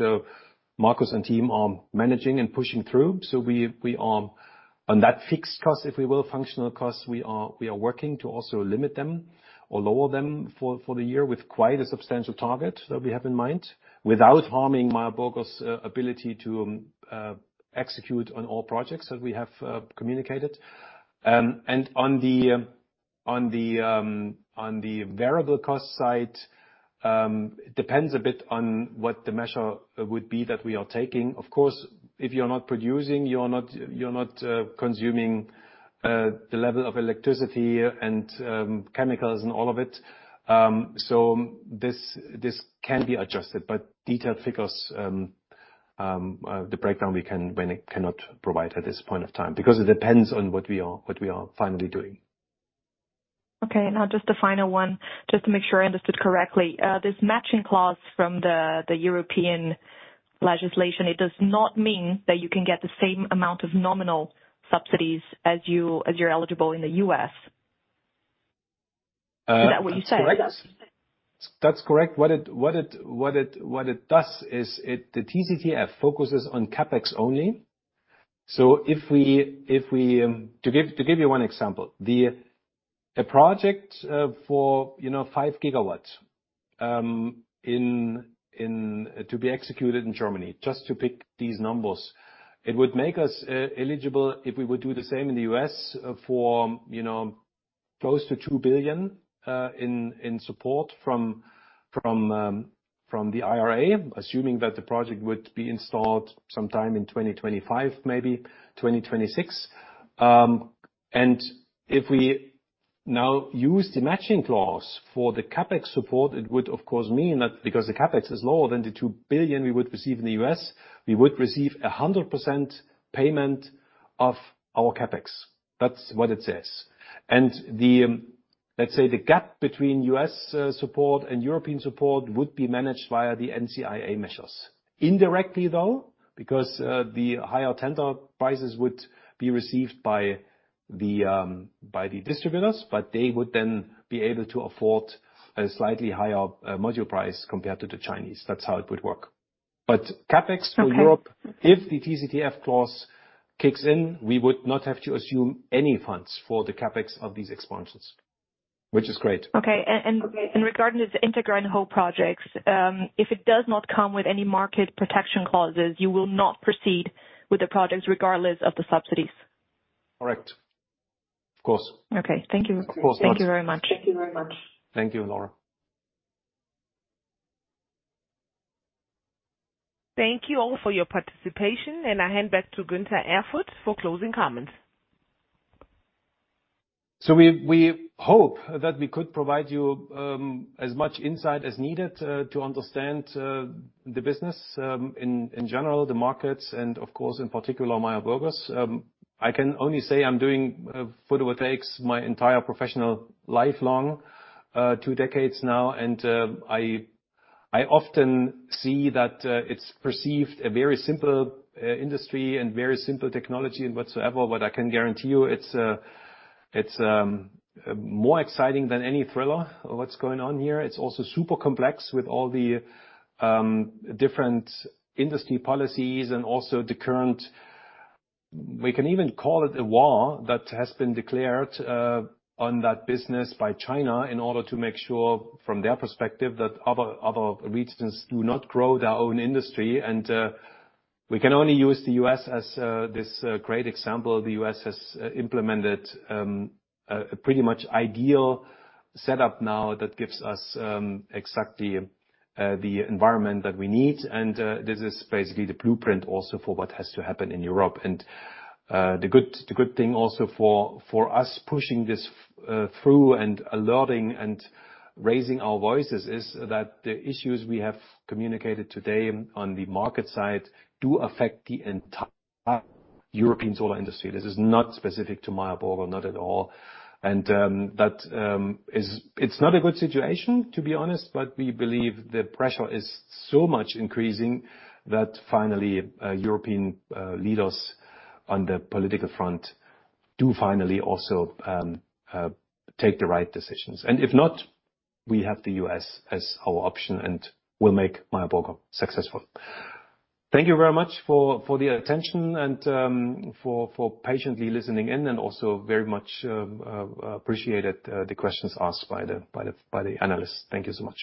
[SPEAKER 1] Markus and team are managing and pushing through. We, we are on that fixed cost, if we will, functional costs, we are, we are working to also limit them or lower them for, for the year with quite a substantial target that we have in mind, without harming Meyer Burger's ability to execute on all projects that we have communicated. On the, on the, on the variable cost side, it depends a bit on what the measure would be that we are taking. Of course, if you're not producing, you're not, you're not consuming, the level of electricity and chemicals and all of it. So this, this can be adjusted, but detailed figures, the breakdown we cannot provide at this point of time, because it depends on what we are, what we are finally doing.
[SPEAKER 6] Okay. Now just a final one, just to make sure I understood correctly. This matching aid from the, the European legislation, it does not mean that you can get the same amount of nominal subsidies as you, as you're eligible in the U.S. Is that what you're saying?
[SPEAKER 1] That's correct. What it, what it, what it, what it does is it-- the TCTF focuses on CapEx only. If we, if we, to give, to give you one example, the, a project for, you know, 5 gigawatts, in, in, to be executed in Germany, just to pick these numbers, it would make us eligible, if we would do the same in the US for, you know, close to $2 billion in, in support from, from, from the IRA, assuming that the project would be installed sometime in 2025, maybe 2026. If we now use the matching aid for the CapEx support, it would, of course, mean that because the CapEx is lower than the $2 billion we would receive in the US, we would receive 100% payment of our CapEx. That's what it says. The, let's say, the gap between U.S. support and European support would be managed via the NCIA measures. Indirectly, though, because the higher tender prices would be received by the distributors, but they would then be able to afford a slightly higher module price compared to the Chinese. That's how it would work. CapEx for Europe, if the TCTF clause kicks in, we would not have to assume any funds for the CapEx of these expansions, which is great.
[SPEAKER 6] Okay. And regarding the Integrated projects, if it does not come with any market protection clauses, you will not proceed with the projects regardless of the subsidies?
[SPEAKER 1] Correct. Of course.
[SPEAKER 6] Okay. Thank you.
[SPEAKER 1] Of course not.
[SPEAKER 6] Thank you very much.
[SPEAKER 2] Thank you very much.
[SPEAKER 1] Thank you, Laura.
[SPEAKER 3] Thank you all for your participation. I hand back to Gunter Erfurt for closing comments.
[SPEAKER 1] We, we hope that we could provide you as much insight as needed to understand the business in general, the markets, and of course, in particular, Meyer Burger's. I can only say I'm doing photovoltaics my entire professional life long, 2 decades now, and I, I often see that it's perceived a very simple industry and very simple technology and whatsoever. I can guarantee you, it's more exciting than any thriller, what's going on here. It's also super complex with all the different industry policies and also We can even call it a war that has been declared on that business by China in order to make sure, from their perspective, that other, other regions do not grow their own industry. We can only use the U.S. as this great example. The U.S. has implemented a pretty much ideal setup now that gives us exactly the environment that we need. This is basically the blueprint also for what has to happen in Europe. The good thing also for us pushing this through and alerting and raising our voices is that the issues we have communicated today on the market side do affect the entire European solar industry. This is not specific to Meyer Burger, not at all. That it's not a good situation, to be honest, but we believe the pressure is so much increasing that finally European leaders on the political front do finally also take the right decisions. If not, we have the US as our option, and we'll make Meyer Burger successful. Thank you very much for, for the attention and for, for patiently listening in, and also very much appreciated the questions asked by the, by the, by the analysts. Thank you so much.